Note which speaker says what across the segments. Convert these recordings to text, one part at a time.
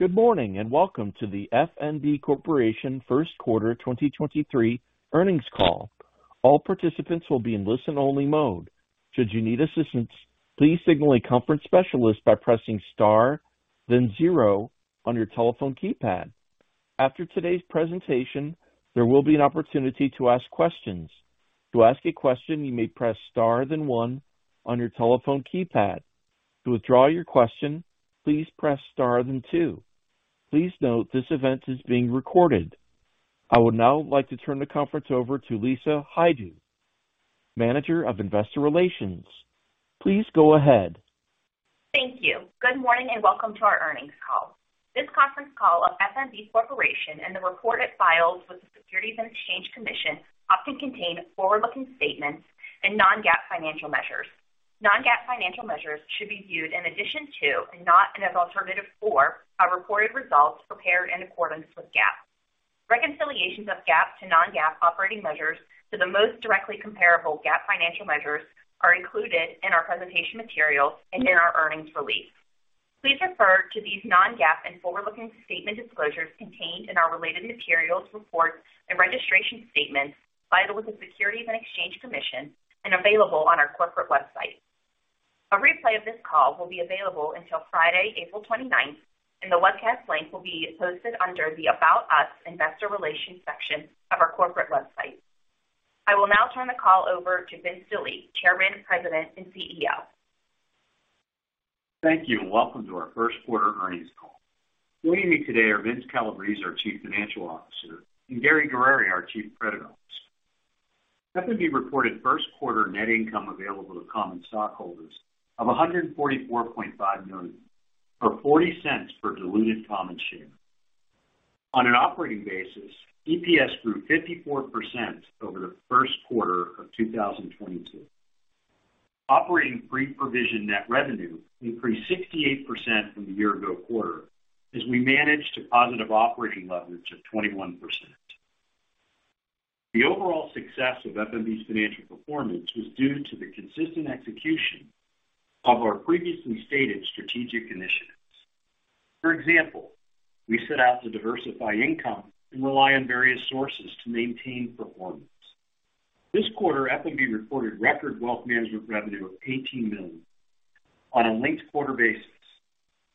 Speaker 1: Good morning, welcome to the F.N.B. Corporation Q1 2023 earnings call. All participants will be in listen-only mode. Should you need assistance, please signal a conference specialist by pressing Star, then 0 on your telephone keypad. After today's presentation, there will be an opportunity to ask questions. To ask a question, you may press Star then 1 on your telephone keypad. To withdraw your question, please press Star then 2. Please note this event is being recorded. I would now like to turn the conference over to Lisa Hajdu, Manager of Investor Relations. Please go ahead.
Speaker 2: Thank you. Good morning and welcome to our earnings call. This conference call of F.N.B. Corporation and the report it files with the Securities and Exchange Commission often contain forward-looking statements and non-GAAP financial measures. Non-GAAP financial measures should be viewed in addition to, and not as alternative for, our reported results prepared in accordance with GAAP. Reconciliations of GAAP to non-GAAP operating measures to the most directly comparable GAAP financial measures are included in our presentation materials and in our earnings release. Please refer to these non-GAAP and forward-looking statement disclosures contained in our related materials reports and registration statements filed with the Securities and Exchange Commission and available on our corporate website. A replay of this call will be available until Friday, April 29th. The webcast link will be posted under the About Us Investor Relations section of our corporate website. I will now turn the call over to Vince Delie, Chairman, President and CEO.
Speaker 3: Thank you. Welcome to our Q1 earnings call. Joining me today are Vince Calabrese, our Chief Financial Officer, and Gary Guerrieri, our Chief Credit Officer. F.N.B. reported Q1 net income available to common stockholders of $144.5 million or $0.40 per diluted common share. On an operating basis, EPS grew 54% over the Q1 of 2022. Operating free provision net revenue increased 68% from the year ago quarter as we managed a positive operating leverage of 21%. The overall success of F.N.B.'s financial performance was due to the consistent execution of our previously stated strategic initiatives. For example, we set out to diversify income and rely on various sources to maintain performance. This quarter, F.N.B. reported record wealth management revenue of $18 million on a linked quarter basis,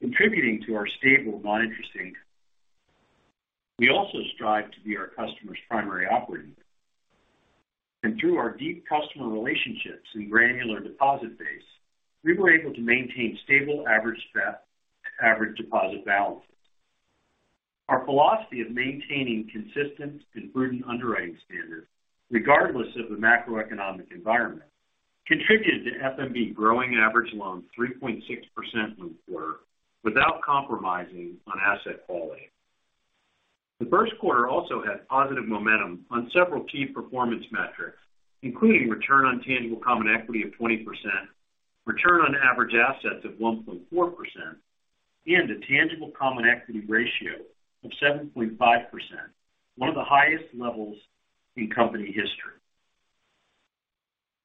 Speaker 3: contributing to our stable non-interest income. We also strive to be our customers' primary operating bank. Through our deep customer relationships and granular deposit base, we were able to maintain stable average deposit balances. Our philosophy of maintaining consistent and prudent underwriting standards regardless of the macroeconomic environment contributed to FNB growing average loans 3.6% from the quarter without compromising on asset quality. The Q1 also had positive momentum on several key performance metrics, including return on tangible common equity of 20%, return on average assets of 1.4%, and a tangible common equity ratio of 7.5%, one of the highest levels in company history.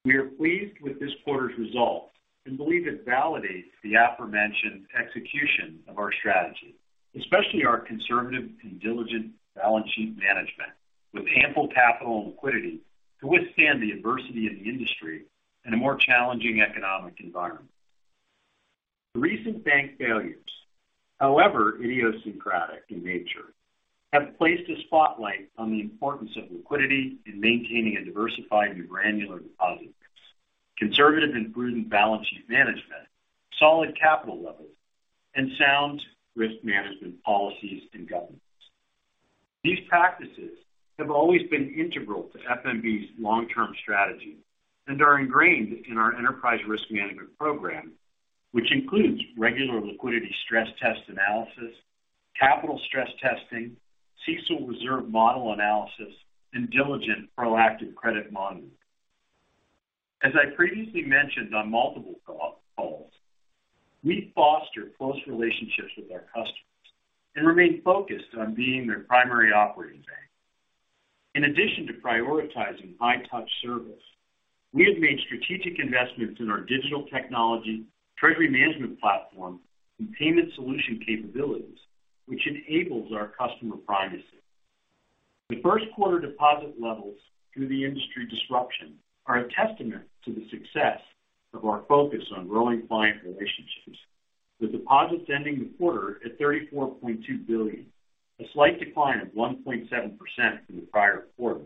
Speaker 3: We are pleased with this quarter's results and believe it validates the aforementioned execution of our strategy, especially our conservative and diligent balance sheet management with ample capital and liquidity to withstand the adversity in the industry in a more challenging economic environment. The recent bank failures, however idiosyncratic in nature, have placed a spotlight on the importance of liquidity in maintaining a diversified and granular deposit base, conservative and prudent balance sheet management, solid capital levels, and sound risk management policies and governance. These practices have always been integral to F.N.B.'s long-term strategy and are ingrained in our enterprise risk management program, which includes regular liquidity stress test analysis, capital stress testing, CECL reserve model analysis, and diligent proactive credit monitoring. As I previously mentioned on multiple calls, I mean, we foster close relationships with our customers and remain focused on being their primary operating bank. In addition to prioritizing high-touch service, we have made strategic investments in our digital technology, treasury management platform, and payment solution capabilities, which enables our customer privacy. The Q1 deposit levels through the industry disruption are a testament to the success of our focus on growing client relationships, with deposits ending the quarter at $34.2 billion, a slight decline of 1.7% from the prior quarter,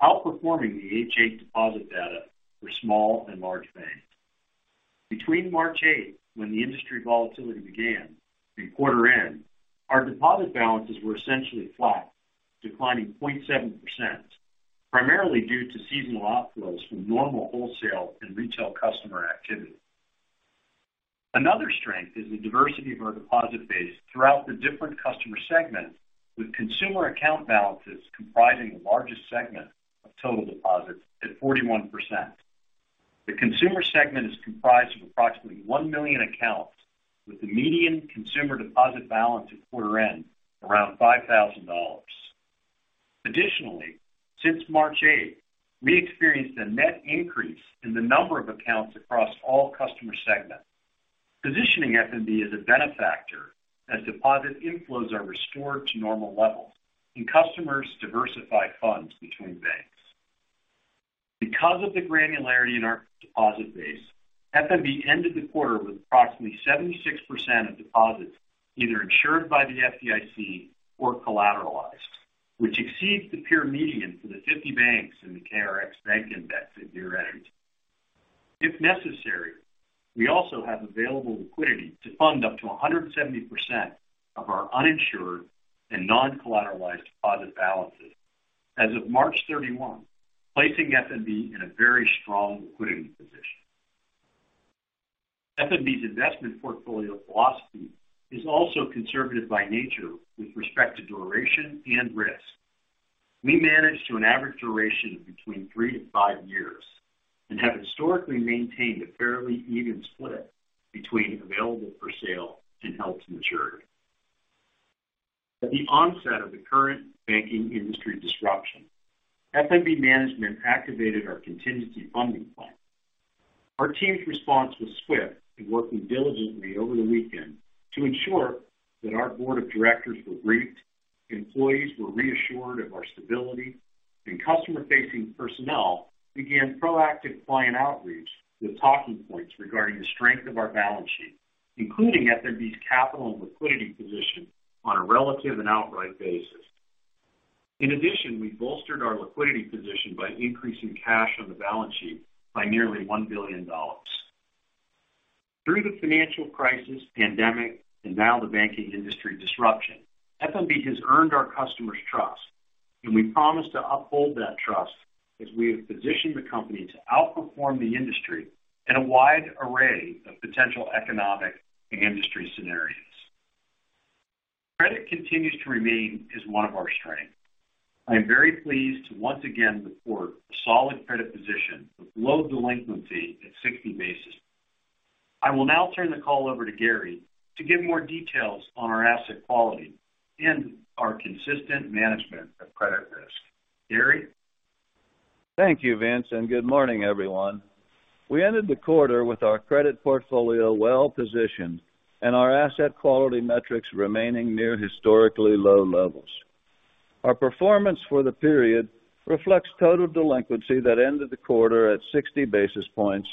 Speaker 3: outperforming the HA deposit data for small and large banks. Between March eighth, when the industry volatility began and quarter end, our deposit balances were essentially flat, declining 0.7%, primarily due to seasonal outflows from normal wholesale and retail customer activity. Another strength is the diversity of our deposit base throughout the different customer segments, with consumer account balances comprising the largest segment of total deposits at 41%. The consumer segment is comprised of approximately 1 million accounts, with the median consumer deposit balance at quarter end around $5,000. Additionally, since March eighth, we experienced a net increase in the number of accounts across all customer segments. Positioning FNB as a benefactor as deposit inflows are restored to normal levels and customers diversify funds between banks. Because of the granularity in our deposit base, FNB ended the quarter with approximately 76% of deposits either insured by the FDIC or collateralized, which exceeds the peer median for the 50 banks in the KBW Bank Index it mirror edges. If necessary, we also have available liquidity to fund up to 170% of our uninsured and non-collateralized deposit balances as of March 31, placing FNB in a very strong liquidity position. F.N.B.'s investment portfolio philosophy is also conservative by nature with respect to duration and risk. We manage to an average duration of between 3-5 years and have historically maintained a fairly even split between Available-for-Sale and Held-to-Maturity. At the onset of the current banking industry disruption, F.N.B. management activated our contingency funding plan. Our team's response was swift in working diligently over the weekend to ensure that our board of directors were briefed, employees were reassured of our stability, and customer-facing personnel began proactive client outreach with talking points regarding the strength of our balance sheet, including F.N.B.'s capital and liquidity position on a relative and outright basis. In addition, we bolstered our liquidity position by increasing cash on the balance sheet by nearly $1 billion. Through the financial crisis, pandemic, and now the banking industry disruption, F.N.B. has earned our customers' trust. We promise to uphold that trust as we have positioned the company to outperform the industry in a wide array of potential economic and industry scenarios. Credit continues to remain as one of our strengths. I am very pleased to once again report a solid credit position with low delinquency at 60 basis. I will now turn the call over to Gary to give more details on our asset quality and our consistent management of credit risk. Gary?
Speaker 4: Thank you, Vince, and good morning, everyone. We ended the quarter with our credit portfolio well-positioned and our asset quality metrics remaining near historically low levels. Our performance for the period reflects total delinquency that ended the quarter at 60 basis points,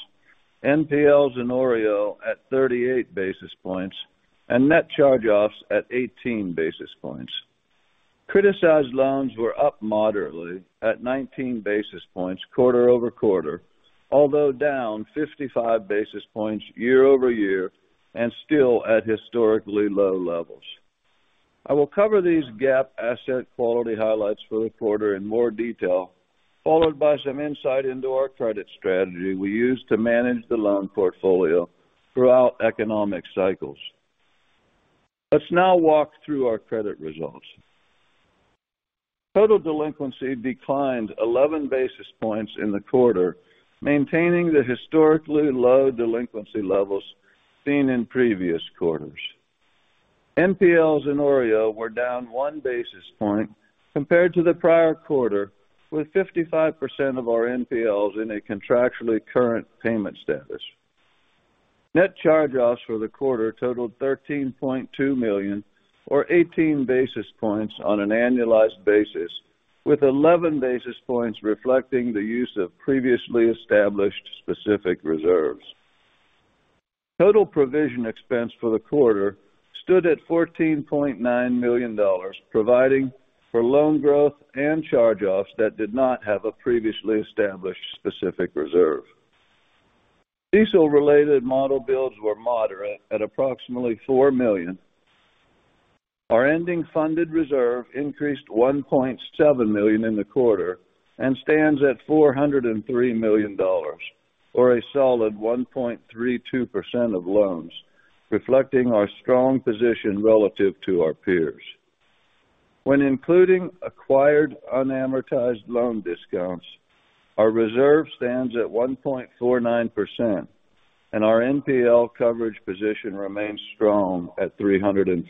Speaker 4: NPLs and OREO at 38 basis points, and net charge-offs at 18 basis points. Criticized loans were up moderately at 19 basis points quarter-over-quarter, although down 55 basis points year-over-year and still at historically low levels. I will cover these GAAP asset quality highlights for the quarter in more detail, followed by some insight into our credit strategy we use to manage the loan portfolio throughout economic cycles. Let's now walk through our credit results. Total delinquency declined 11 basis points in the quarter, maintaining the historically low delinquency levels seen in previous quarters. NPLs and OREO were down 1 basis point compared to the prior quarter, with 55% of our NPLs in a contractually current payment status. Net charge-offs for the quarter totaled $13.2 million or 18 basis points on an annualized basis, with 11 basis points reflecting the use of previously established specific reserves. Total provision expense for the quarter stood at $14.9 million, providing for loan growth and charge-offs that did not have a previously established specific reserve. CECL-related model builds were moderate at approximately $4 million. Our ending funded reserve increased $1.7 million in the quarter and stands at $403 million or a solid 1.32% of loans, reflecting our strong position relative to our peers. When including acquired unamortized loan discounts, our reserve stands at 1.49%, and our NPL coverage position remains strong at 356%.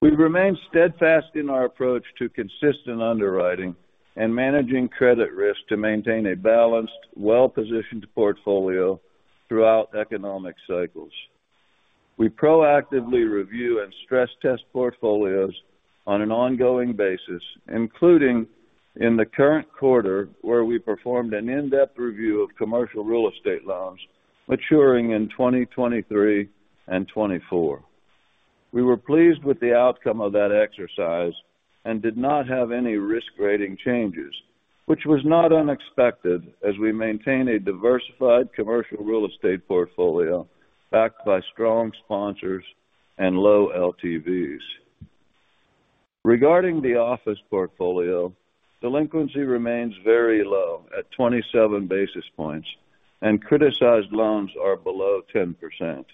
Speaker 4: We remain steadfast in our approach to consistent underwriting and managing credit risk to maintain a balanced, well-positioned portfolio throughout economic cycles. We proactively review and stress test portfolios on an ongoing basis, including in the current quarter, where we performed an in-depth review of commercial real estate loans maturing in 2023 and 2024. We were pleased with the outcome of that exercise and did not have any risk rating changes, which was not unexpected as we maintain a diversified commercial real estate portfolio backed by strong sponsors and low LTVs. Regarding the office portfolio, delinquency remains very low at 27 basis points and criticized loans are below 10%.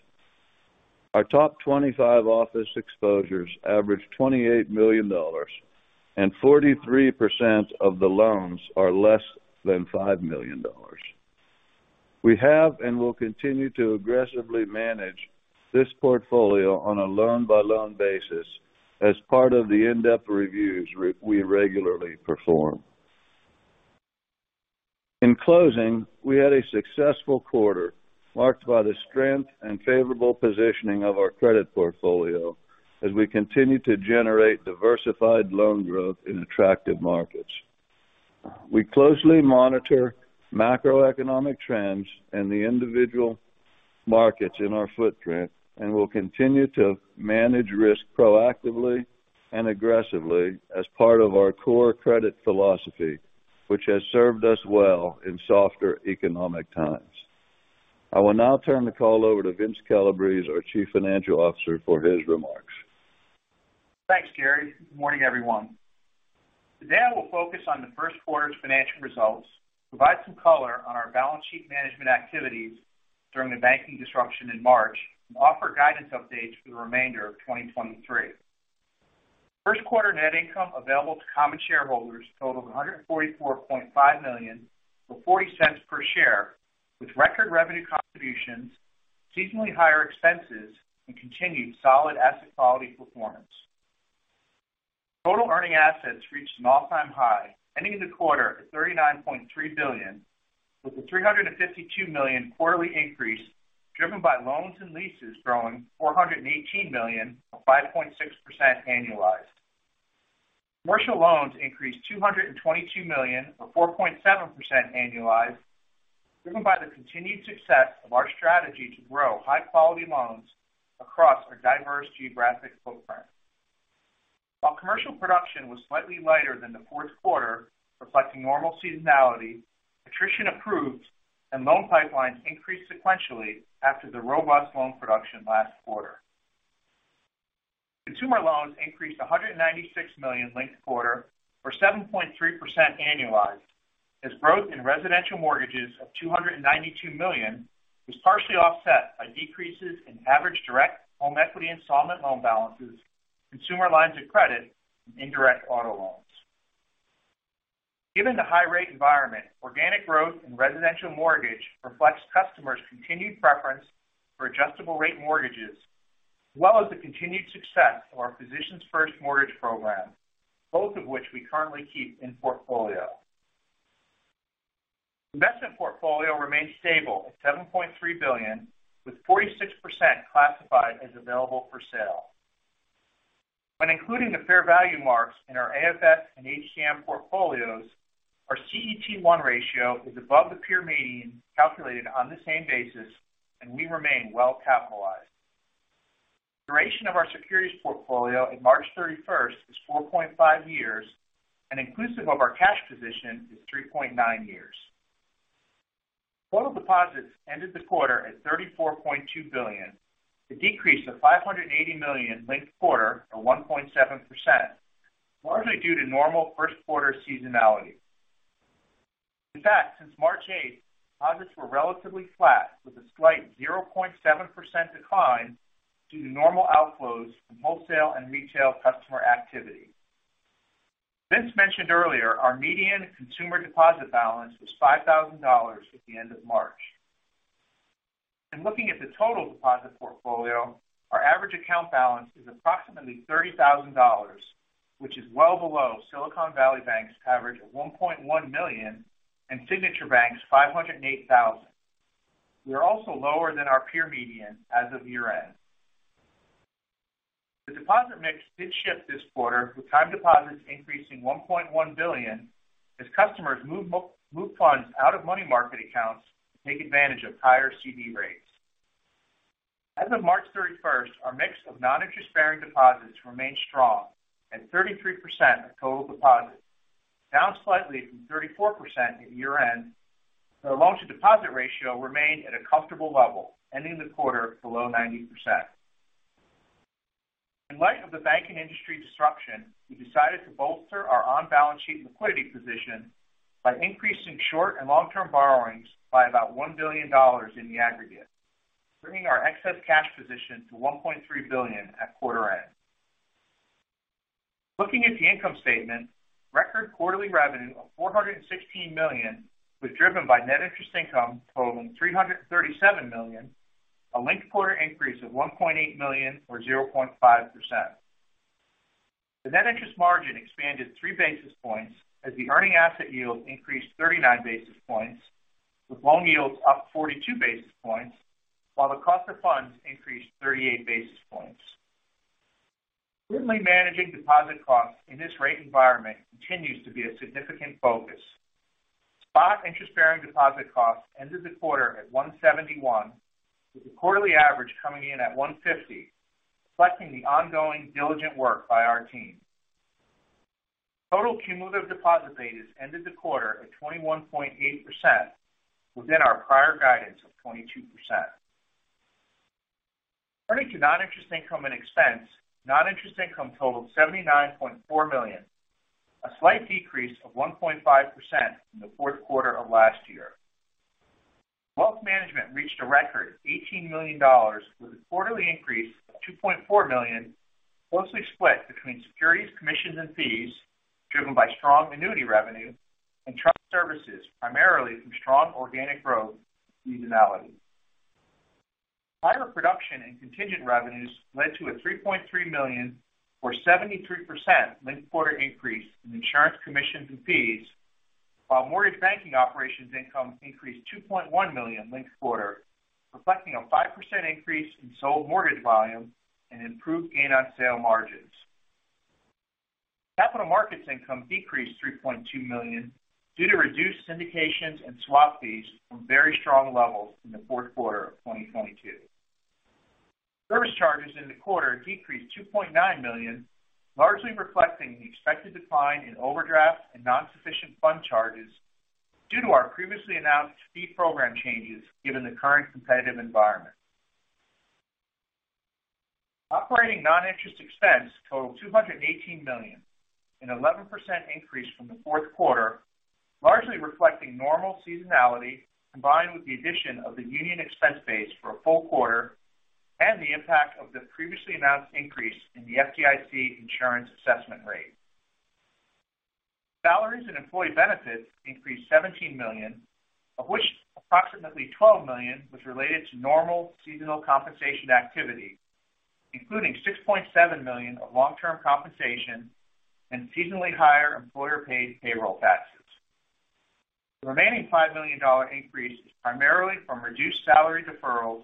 Speaker 4: Our top 25 office exposures average $28 million, and 43% of the loans are less than $5 million. We have and will continue to aggressively manage this portfolio on a loan-by-loan basis as part of the in-depth reviews we regularly perform. In closing, we had a successful quarter marked by the strength and favorable positioning of our credit portfolio as we continue to generate diversified loan growth in attractive markets. We closely monitor macroeconomic trends and the individual markets in our footprint, and we'll continue to manage risk proactively and aggressively as part of our core credit philosophy, which has served us well in softer economic times. I will now turn the call over to Vince Calabrese, our Chief Financial Officer, for his remarks.
Speaker 5: Thanks, Gerry. Good morning, everyone. Today, I will focus on the Q1 financial results, provide some color on our balance sheet management activities during the banking disruption in March, and offer guidance updates for the remainder of 2023. Q1 net income available to common shareholders totaled $144.5 million, or $0.40 per share, with record revenue contributions, seasonally higher expenses, and continued solid asset quality performance. Total earning assets reached an all-time high, ending the quarter at $39.3 billion, with a $352 million quarterly increase driven by loans and leases growing $418 million, or 5.6% annualized. Commercial loans increased $222 million, or 4.7% annualized, driven by the continued success of our strategy to grow high-quality loans across our diverse geographic footprint. While commercial production was slightly lighter than the Q4, reflecting normal seasonality, attrition improved and loan pipelines increased sequentially after the robust loan production last quarter. Consumer loans increased $196 million linked quarter, or 7.3% annualized, as growth in residential mortgages of $292 million was partially offset by decreases in average direct home equity installment loan balances, consumer lines of credit, and indirect auto loans. Given the high-rate environment, organic growth in residential mortgage reflects customers' continued preference for adjustable rate mortgages, as well as the continued success of our Physicians First mortgage program, both of which we currently keep in portfolio. Investment portfolio remained stable at $7.3 billion, with 46% classified as available for sale. When including the fair value marks in our AFS and HTM portfolios, our CET1 ratio is above the peer median calculated on the same basis, and we remain well capitalized. Duration of our securities portfolio at March 31st is 4.5 years, and inclusive of our cash position is 3.9 years. Total deposits ended the quarter at $34.2 billion. The decrease of $580 million linked quarter, or 1.7%, largely due to normal Q1 seasonality. In fact, since March 8th, deposits were relatively flat, with a slight 0.7% decline due to normal outflows from wholesale and retail customer activity. Vince mentioned earlier our median consumer deposit balance was $5,000 at the end of March. In looking at the total deposit portfolio, our average account balance is approximately $30,000, which is well below Silicon Valley Bank's average of $1.1 million and Signature Bank's $508,000. We are also lower than our peer median as of year-end. The deposit mix did shift this quarter, with time deposits increasing $1.1 billion as customers move funds out of money market accounts to take advantage of higher CD rates. As of March 31st, our mix of non-interest-bearing deposits remained strong at 33% of total deposits, down slightly from 34% at year-end. The loan-to-deposit ratio remained at a comfortable level, ending the quarter below 90%. In light of the banking industry disruption, we decided to bolster our on-balance sheet liquidity position by increasing short- and long-term borrowings by about $1 billion in the aggregate, bringing our excess cash position to $1.3 billion at quarter end. Looking at the income statement, record quarterly revenue of $416 million was driven by net interest income totaling $337 million, a linked quarter increase of $1.8 million, or 0.5%. The net interest margin expanded 3 basis points as the earning asset yield increased 39 basis points, with loan yields up 42 basis points, while the cost of funds increased 38 basis points. Certainly, managing deposit costs in this rate environment continues to be a significant focus. Spot interest-bearing deposit costs ended the quarter at 171, with the quarterly average coming in at 150, reflecting the ongoing diligent work by our team. Total cumulative deposit rates ended the quarter at 21.8%, within our prior guidance of 22%. Turning to non-interest income and expense, non-interest income totaled $79.4 million, a slight decrease of 1.5% from the Q4 of last year. Wealth management reached a record $18 million, with a quarterly increase of $2.4 million. Mostly split between securities commissions and fees driven by strong annuity revenue and trust services primarily from strong organic growth seasonality. Higher production and contingent revenues led to a $30.3 million or 73% linked quarter increase in insurance commissions and fees, while mortgage banking operations income increased $2.1 million linked quarter, reflecting a 5% increase in sold mortgage volume and improved gain on sale margins. Capital markets income decreased $3.2 million due to reduced syndications and swap fees from very strong levels in the Q4 of 2022. Service charges in the quarter decreased $2.9 million, largely reflecting the expected decline in overdraft and non-sufficient fund charges due to our previously announced fee program changes given the current competitive environment. Operating non-interest expense totaled $218 million, an 11% increase from the Q4, largely reflecting normal seasonality, combined with the addition of the Union expense base for a full quarter and the impact of the previously announced increase in the FDIC insurance assessment rate. Salaries and employee benefits increased $17 million, of which approximately $12 million was related to normal seasonal compensation activity, including $6.7 million of long-term compensation and seasonally higher employer-paid payroll taxes. The remaining $5 million increase is primarily from reduced salary deferrals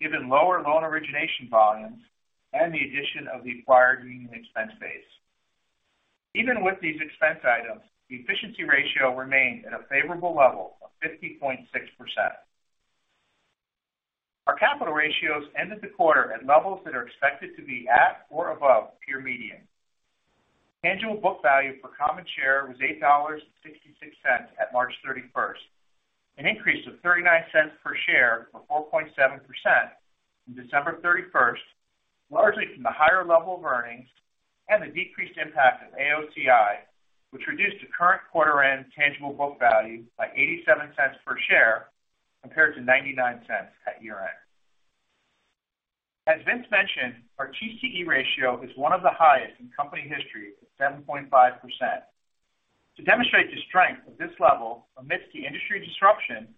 Speaker 5: given lower loan origination volumes and the addition of the acquired Union expense base. Even with these expense items, the efficiency ratio remained at a favorable level of 50.6%. Our capital ratios ended the quarter at levels that are expected to be at or above peer median. Tangible book value per common share was $8.66 at March 31st, an increase of $0.39 per share or 4.7% from December 31st, largely from the higher level of earnings and the decreased impact of AOCI, which reduced to current quarter end tangible book value by $0.87 per share compared to $0.99 at year-end. As Vince mentioned, our TCE ratio is one of the highest in company history at 7.5%. To demonstrate the strength of this level amidst the industry disruption,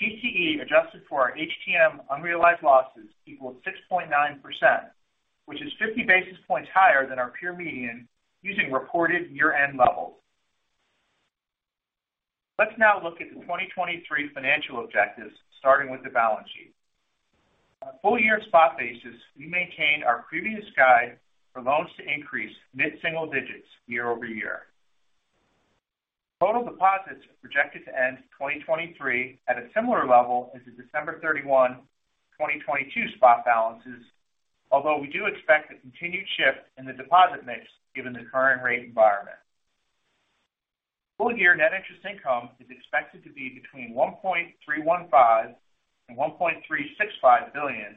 Speaker 5: TCE adjusted for our HTM unrealized losses equaled 6.9%, which is 50 basis points higher than our peer median using reported year-end levels. Let's now look at the 2023 financial objectives, starting with the balance sheet. On a full-year spot basis, we maintained our previous guide for loans to increase mid-single digits year-over-year. Total deposits are projected to end 2023 at a similar level as of December 31, 2022 spot balances, although we do expect a continued shift in the deposit mix given the current rate environment. Full year Net Interest Income is expected to be between $1.315 billion and $1.365 billion,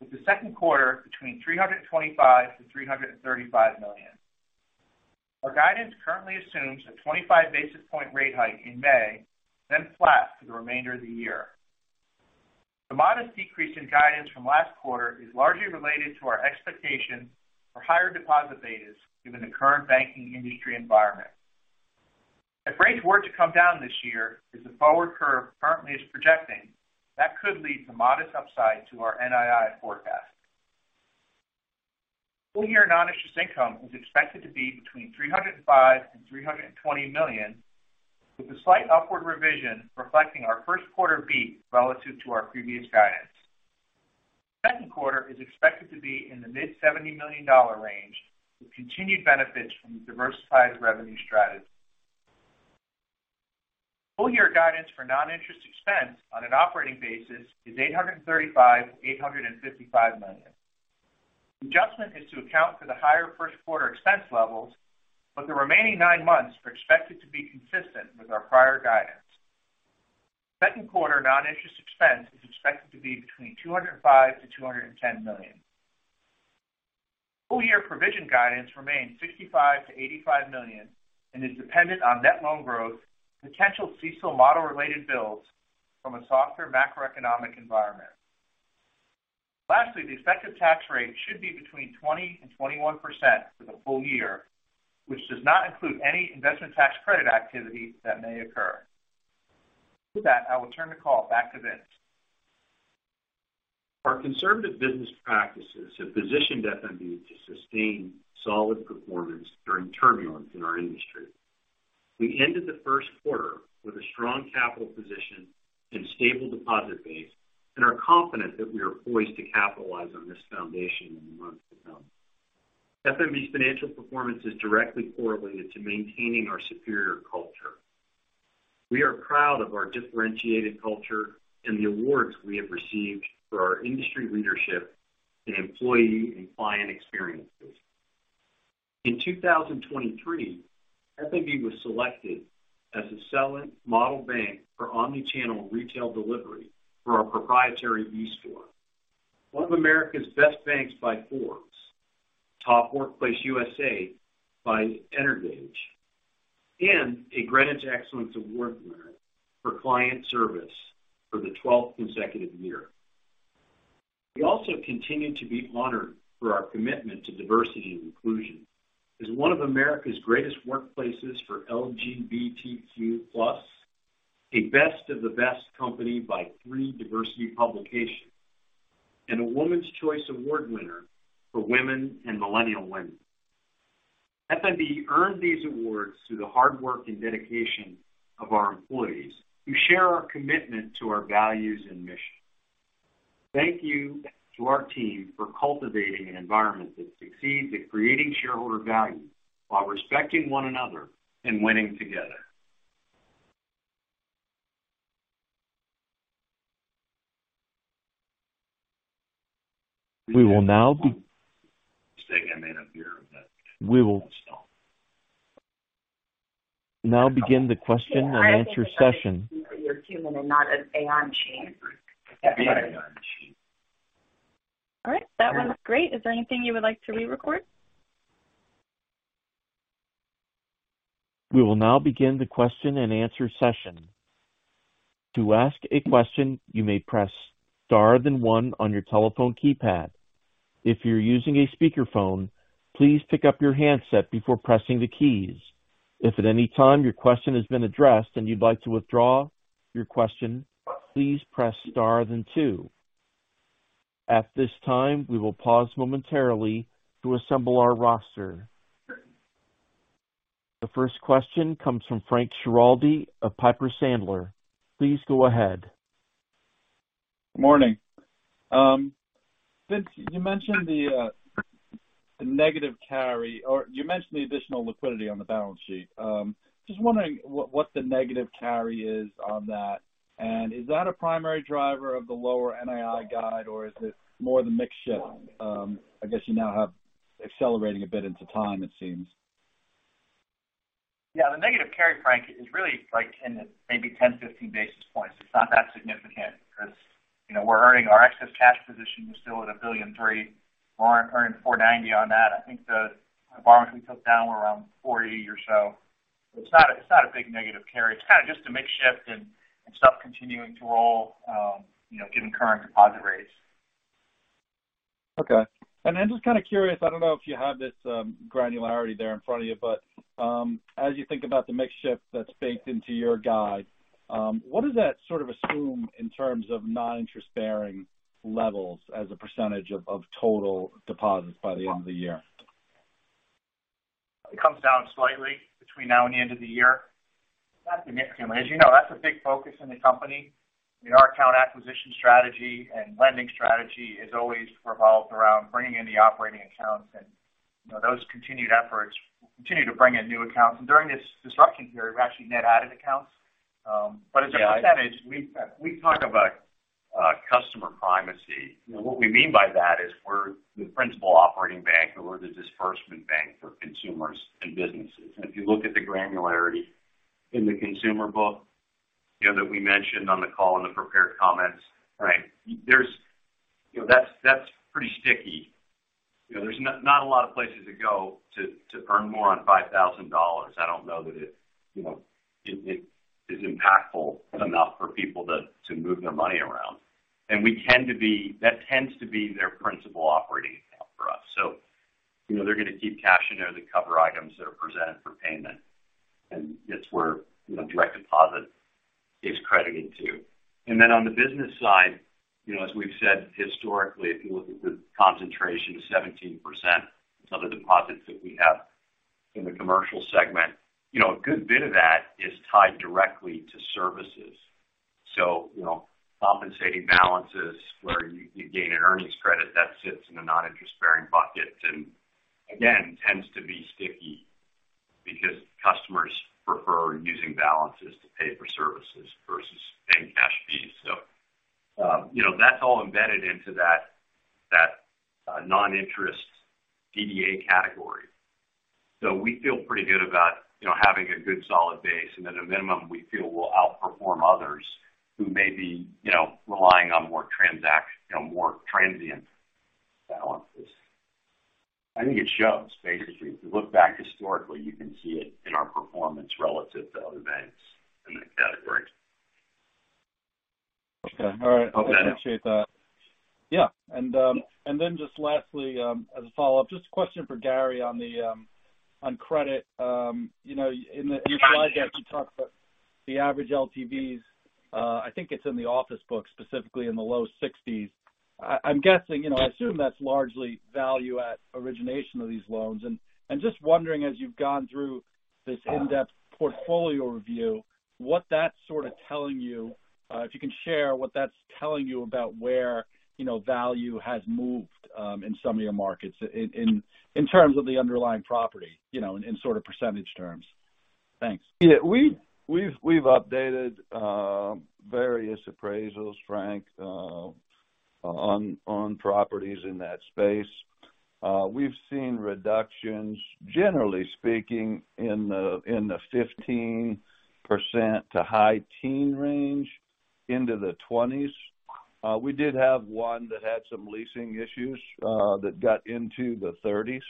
Speaker 5: with the Q2 between $325 million-$335 million. Our guidance currently assumes a 25 basis point rate hike in May, then flat for the remainder of the year. The modest decrease in guidance from last quarter is largely related to our expectation for higher deposit betas given the current banking industry environment. If rates were to come down this year, as the forward curve currently is projecting, that could lead to modest upside to our NII forecast. Full year non-interest income is expected to be between $305 million and $320 million, with a slight upward revision reflecting our Q1 beat relative to our previous guidance. Q2 is expected to be in the mid $70 million range with continued benefits from the diversified revenue strategy. Full year guidance for non-interest expense on an operating basis is $835 million-$855 million. The adjustment is to account for the higher Q1 expense levels, but the remaining 9 months are expected to be consistent with our prior guidance. Q2 non-interest expense is expected to be between $205 million-$210 million. Full year provision guidance remains $65 million-$85 million and is dependent on net loan growth, potential CECL model related bills from a softer macroeconomic environment. The effective tax rate should be between 20% and 21% for the full year, which does not include any investment tax credit activity that may occur. I will turn the call back to Vince.
Speaker 3: Our conservative business practices have positioned F.N.B. to sustain solid performance during turbulence in our industry. We ended the Q1 with a strong capital position and stable deposit base and are confident that we are poised to capitalize on this foundation in the months to come. F.N.B.'s financial performance is directly correlated to maintaining our superior culture. We are proud of our differentiated culture and the awards we have received for our industry leadership in employee and client experiences. In 2023, F.N.B. was selected as a Celent Model Bank for omni-channel retail delivery for our proprietary eStore. One of America's best banks by Forbes. Top Workplaces USA by Energage. A Greenwich Excellence Award winner for client service for the 12th consecutive year. We also continue to be honored for our commitment to diversity and inclusion as one of America's greatest workplaces for LGBTQ Plus, a Best of the Best company by three diversity publications, and a Women's Choice Award winner for women and millennial women. FNB earned these awards through the hard work and dedication of our employees who share our commitment to our values and mission. Thank you to our team for cultivating an environment that succeeds at creating shareholder value while respecting one another and winning together.
Speaker 1: We will now be-
Speaker 3: Mistake I made up here.
Speaker 1: We will now begin the question and answer session.
Speaker 2: I think it's because you're human and not an AI machine.
Speaker 3: Be an AI machine.
Speaker 2: All right. That one's great. Is there anything you would like to re-record?
Speaker 1: We will now begin the question and answer session. To ask a question, you may press star then one on your telephone keypad. If you're using a speakerphone, please pick up your handset before pressing the keys. If at any time your question has been addressed and you'd like to withdraw your question, please press star then two. At this time, we will pause momentarily to assemble our roster. The first question comes from Frank Schiraldi of Piper Sandler. Please go ahead.
Speaker 6: Morning. Vince, you mentioned the negative carry, or you mentioned the additional liquidity on the balance sheet. Just wondering what the negative carry is on that, and is that a primary driver of the lower NII guide or is it more the mix shift? I guess you now have accelerating a bit into time, it seems.
Speaker 5: The negative carry, Frank, is really like 10, maybe 10, 15 basis points. It's not that significant because, we're earning our excess cash position. We're still at $1.3 billion. We're earning 4.90% on that. I think the borrowers we took down were around 40 or so. It's not a big negative carry. It's kind of just a mix shift and stuff continuing to roll, given current deposit rates.
Speaker 6: Okay. I'm just kind of curious, I don't know if you have this, granularity there in front of you, but, as you think about the mix shift that's baked into your guide, what does that sort of assume in terms of non-interest-bearing levels as a percentage of total deposits by the end of the year?
Speaker 5: It comes down slightly between now and the end of the year. It's not significant. As you know, that's a big focus in the company. Our account acquisition strategy and lending strategy is always revolved around bringing in the operating accounts. You know, those continued efforts continue to bring in new accounts. During this disruption period, we've actually net added accounts. As a percentage, we talk about customer primacy. You know, what we mean by that is we're the principal operating bank or we're the disbursement bank for consumers and businesses. If you look at the granularity in the consumer book, that we mentioned on the call in the prepared comments.
Speaker 6: Right.
Speaker 3: There's, that's pretty sticky. You know, there's not a lot of places to go to earn more on $5,000. I don't know that it is impactful enough for people to move their money around. That tends to be their principal operating account for us. You know, they're going to keep cash in there to cover items that are presented for payment, and it's where, direct deposit is credited to. On the business side, as we've said historically, if you look at the concentration of 17% of the deposits that we have in the commercial segment, a good bit of that is tied directly to services. You know, compensating balances where you gain an earnings credit that sits in a non-interest bearing bucket and again, tends to be sticky because customers prefer using balances to pay for services versus paying cash fees. You know, that's all embedded into that non-interest DDA category. We feel pretty good about, having a good solid base and at a minimum, we feel we'll outperform others who may be, relying on more transaction, more transient balances. I think it shows basically, if you look back historically, you can see it in our performance relative to other banks in that category.
Speaker 6: Okay. All right. I appreciate that. Yeah. Then just lastly, as a follow-up, just a question for Gary on credit. You know, in the, in your slide deck, you talk about the average LTVs. I think it's in the office book, specifically in the low sixties. I'm guessing, I assume that's largely value at origination of these loans. Just wondering, as you've gone through this in-depth portfolio review, what that's sort of telling you, if you can share what that's telling you about where, value has moved in some of your markets in terms of the underlying property, in sort of percentage terms? Thanks.
Speaker 4: We've updated various appraisals, Frank, on properties in that space. We've seen reductions, generally speaking, in the 15% to high teen range into the 20s. We did have one that had some leasing issues that got into the 30s.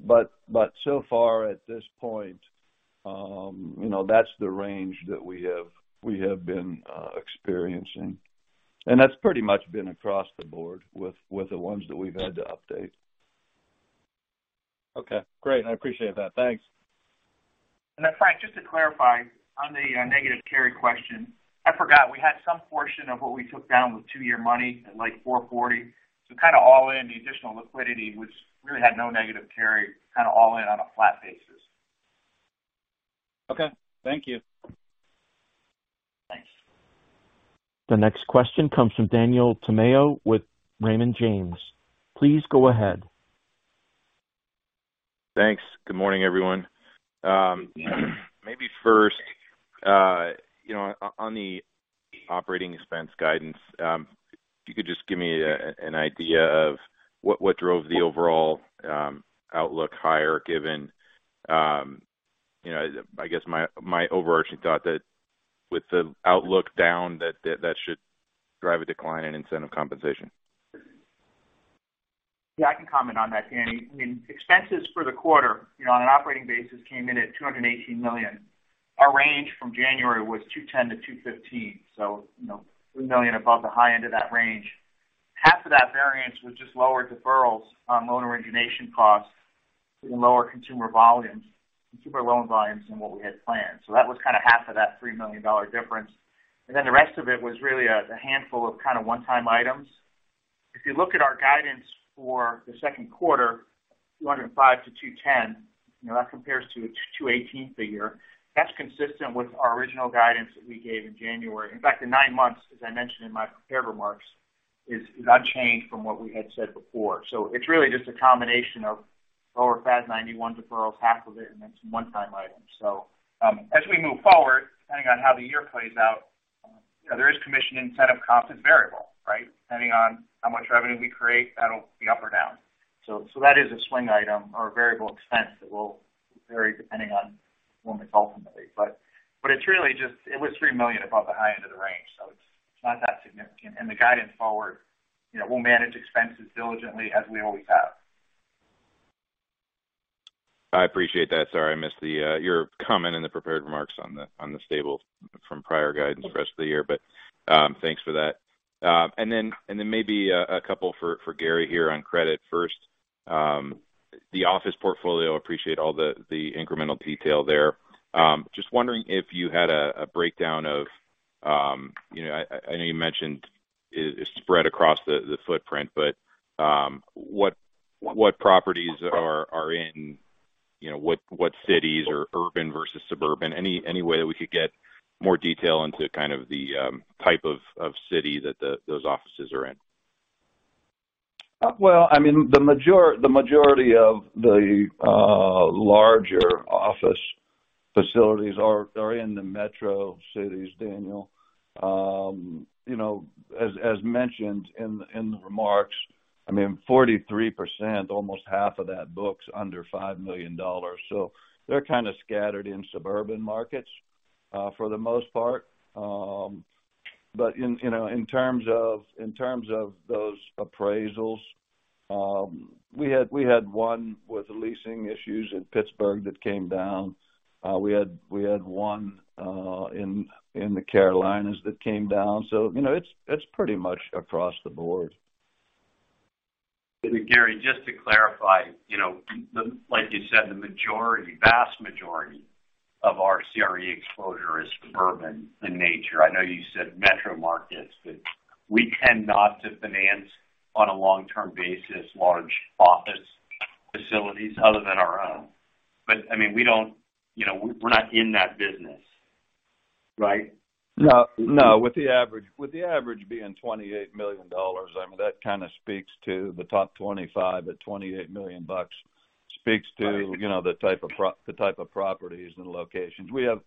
Speaker 4: But so far at this point, that's the range that we have been experiencing. That's pretty much been across the board with the ones that we've had to update.
Speaker 6: Okay, great. I appreciate that. Thanks.
Speaker 5: Frank, just to clarify on the negative carry question. I forgot we had some portion of what we took down with two-year money at, like, 4.40%. kind of all in the additional liquidity, which really had no negative carry kind of all in on a flat basis.
Speaker 6: Okay. Thank you.
Speaker 5: Thanks.
Speaker 1: The next question comes from Daniel Tamayo with Raymond James. Please go ahead.
Speaker 7: Thanks. Good morning, everyone. Maybe first, on the operating expense guidance, if you could just give me an idea of what drove the overall outlook higher given, I guess my overarching thought that with the outlook down that should drive a decline in incentive compensation.
Speaker 5: Yeah, I can comment on that, Danny. I mean, expenses for the quarter, on an operating basis came in at $218 million. Our range from January was $210 million-$215 million. You know, $3 million above the high end of that range. Half of that variance was just lower deferrals on loan origination costs due to lower consumer loan volumes than what we had planned. That was kind of half of that $3 million difference. The rest of it was really a handful of kind of one-time items. If you look at our guidance for the Q2, $205 million-$210 million, you that compares to a $218 million figure. That's consistent with our original guidance that we gave in January. In fact, the 9 months, as I mentioned in my prepared remarks, is unchanged from what we had said before. It's really just a combination of lower FAS 91 deferrals, half of it, and then some one-time items. As we move forward, depending on how the year plays out, there is commission incentive comp is variable, right? Depending on how much revenue we create, that'll be up or down. That is a swing item or a variable expense that will vary depending on when it's ultimately. It's really just it was $3 million above the high end of the range, so it's not that significant. The guidance forward, we'll manage expenses diligently as we always have.
Speaker 7: I appreciate that. Sorry, I missed the your comment in the prepared remarks on the on the stable from prior guidance the rest of the year, but thanks for that. Then, and then maybe a couple for Gary here on credit first. The office portfolio, appreciate all the incremental detail there. Just wondering if you had a breakdown of, I know you mentioned it's spread across the footprint, but what properties are in, what cities or urban versus suburban? Any way that we could get more detail into kind of the type of city that those offices are in?
Speaker 4: Well, I mean, the majority of the larger office facilities are in the metro cities, Daniel. You know, as mentioned in the remarks, I mean, 43%, almost half of that book's under $5 million. They're kind of scattered in suburban markets for the most part. In terms of those appraisals, we had one with leasing issues in Pittsburgh that came down. We had one in the Carolinas that came down. You know, it's pretty much across the board.
Speaker 3: Gary, just to clarify, like you said, the vast majority of our CRE exposure is suburban in nature. I know you said metro markets, but we tend not to finance on a long-term basis large office facilities other than our own. I mean, we don't, we're not in that business, right?
Speaker 4: No. With the average being $28 million, I mean, that kind of speaks to the top 25 at $28 million speaks to.
Speaker 3: Right.
Speaker 7: You know, the type of the type of properties and locations. We have,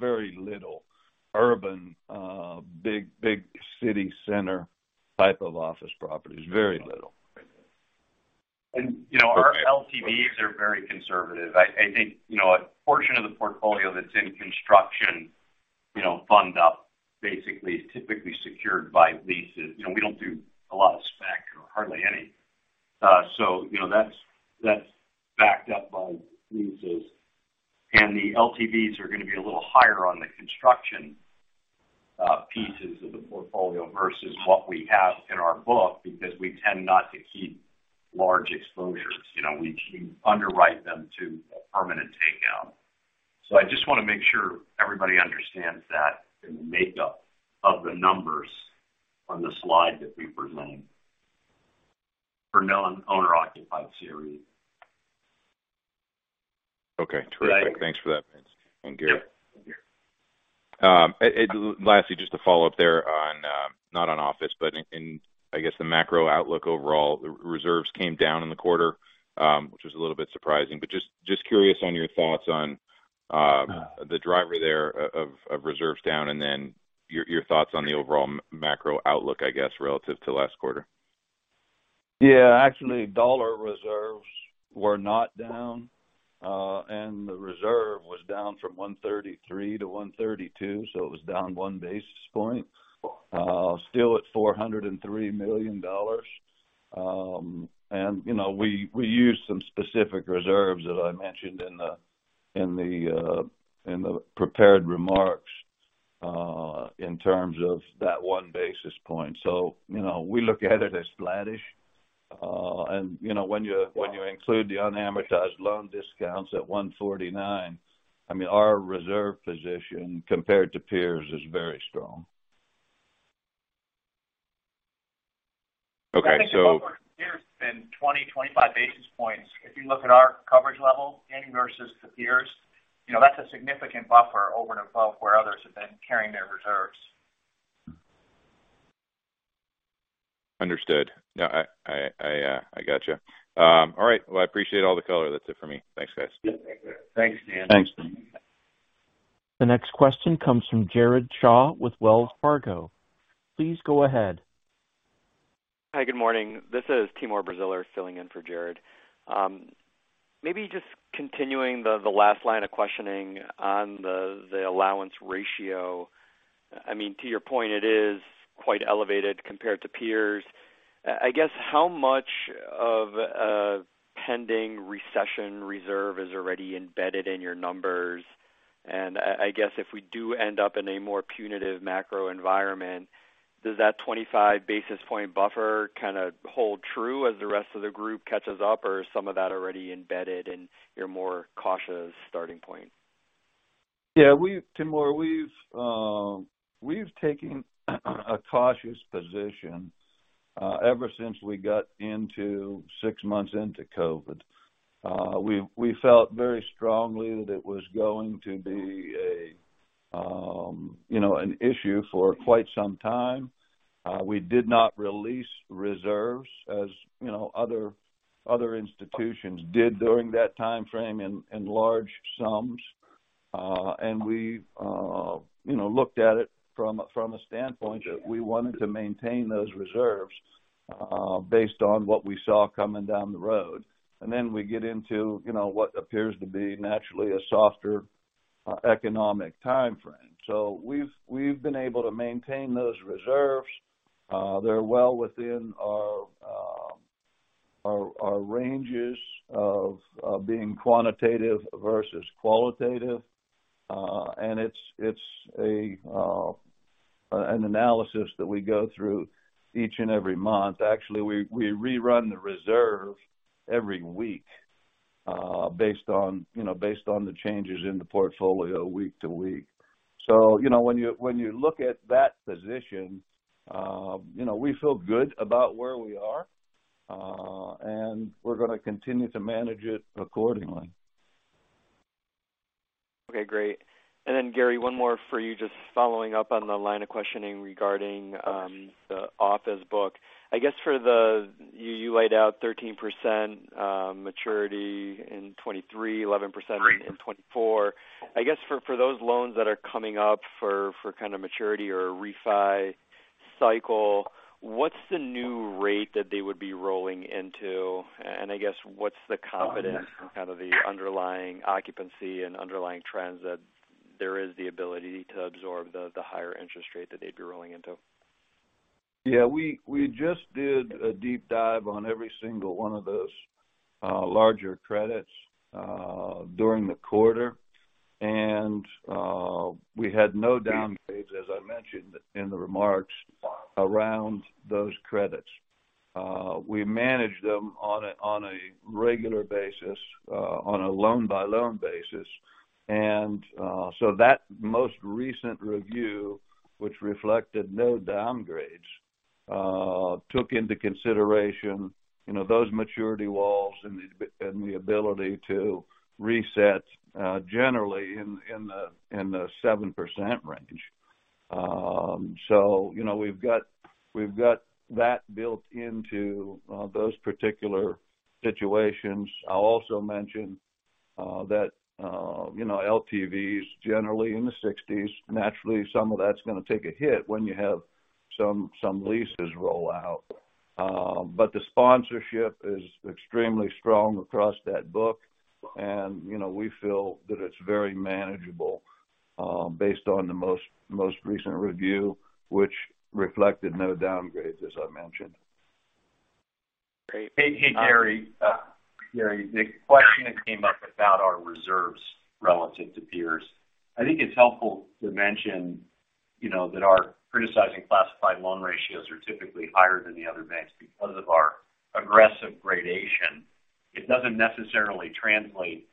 Speaker 7: very little urban, big city center type of office properties. Very little.
Speaker 3: Our LTVs are very conservative. I think, a portion of the portfolio that's in construction, fund up basically is typically secured by leases. You know, we don't do a lot of spec or hardly any. You know, that's backed up by leases. The LTVs are gonna be a little higher on the construction pieces of the portfolio versus what we have in our book because we tend not to keep large exposures. You know, we underwrite them to a permanent take down. I just wanna make sure everybody understands that in the makeup of the numbers on the slide that we present for non-owner occupied CRE.
Speaker 7: Okay. Terrific.
Speaker 3: Right.
Speaker 7: Thanks for that, Vince and Gary.
Speaker 3: Yep.
Speaker 7: Lastly, just to follow up there on not on office, but in, I guess, the macro outlook overall, the reserves came down in the quarter, which was a little bit surprising. Just curious on your thoughts on the driver there of reserves down and then your thoughts on the overall macro outlook, I guess, relative to last quarter.
Speaker 4: Yeah, actually, dollar reserves were not down. The reserve was down from 133 to 132, so it was down 1 basis point. Still at $403 million. You know, we used some specific reserves that I mentioned in the, in the, in the prepared remarks, in terms of that 1 basis point. You know, we look at it as flattish. You know, when you...
Speaker 7: Yeah.
Speaker 4: When you include the unamortized loan discounts at $149, I mean, our reserve position compared to peers is very strong. Okay.
Speaker 5: I think over peers in 20-25 basis points, if you look at our coverage level and versus the peers, that's a significant buffer over and above where others have been carrying their reserves.
Speaker 7: Understood. I got you. All right. I appreciate all the color. That's it for me. Thanks, guys.
Speaker 4: Yeah, thank you.
Speaker 3: Thanks, Dan.
Speaker 4: Thanks.
Speaker 1: The next question comes from Jared Shaw with Wells Fargo. Please go ahead.
Speaker 8: Hi. Good morning. This is Timur Braziler filling in for Jared. Maybe just continuing the last line of questioning on the allowance ratio. I mean, to your point, it is quite elevated compared to peers. I guess how much of pending recession reserve is already embedded in your numbers? I guess if we do end up in a more punitive macro environment, does that 25 basis point buffer kind of hold true as the rest of the group catches up, or is some of that already embedded in your more cautious starting point?
Speaker 4: Yeah, Timur, we've taken a cautious position ever since we got into 6 months into COVID. We felt very strongly that it was going to be a, an issue for quite some time. We did not release reserves, as, other institutions did during that timeframe in large sums. We've, looked at it from a standpoint that we wanted to maintain those reserves based on what we saw coming down the road. We get into, what appears to be naturally a softer economic timeframe. We've been able to maintain those reserves. They're well within our ranges of being quantitative versus qualitative. It's an analysis that we go through each and every month. Actually, we rerun the reserve every week, based on, based on the changes in the portfolio week to week. You know, when you look at that position, we feel good about where we are, and we're gonna continue to manage it accordingly.
Speaker 8: Okay, great. Then Gary, one more for you, just following up on the line of questioning regarding the office book. I guess you laid out 13% maturity in 23, 11% in 24. I guess for those loans that are coming up for kind of maturity or refi cycle, what's the new rate that they would be rolling into? I guess what's the confidence in kind of the underlying occupancy and underlying trends that there is the ability to absorb the higher interest rate that they'd be rolling into?
Speaker 4: Yeah. We just did a deep dive on every single one of those larger credits during the quarter. We had no downgrades, as I mentioned in the remarks, around those credits. We managed them on a regular basis on a loan-by-loan basis. So that most recent review, which reflected no downgrades, took into consideration, those maturity walls and the ability to reset generally in the 7% range. You know, we've got that built into those particular situations. I'll also mention that, LTVs generally in the 60s. Naturally, some of that's gonna take a hit when you have some leases roll out. The sponsorship is extremely strong across that book and, we feel that it's very manageable, based on the most recent review, which reflected no downgrade, as I mentioned.
Speaker 8: Great.
Speaker 3: Hey, Gary. Gary, the question that came up about our reserves relative to peers. I think it's helpful to mention, that our criticized classified loan ratios are typically higher than the other banks because of our aggressive gradation. It doesn't necessarily translate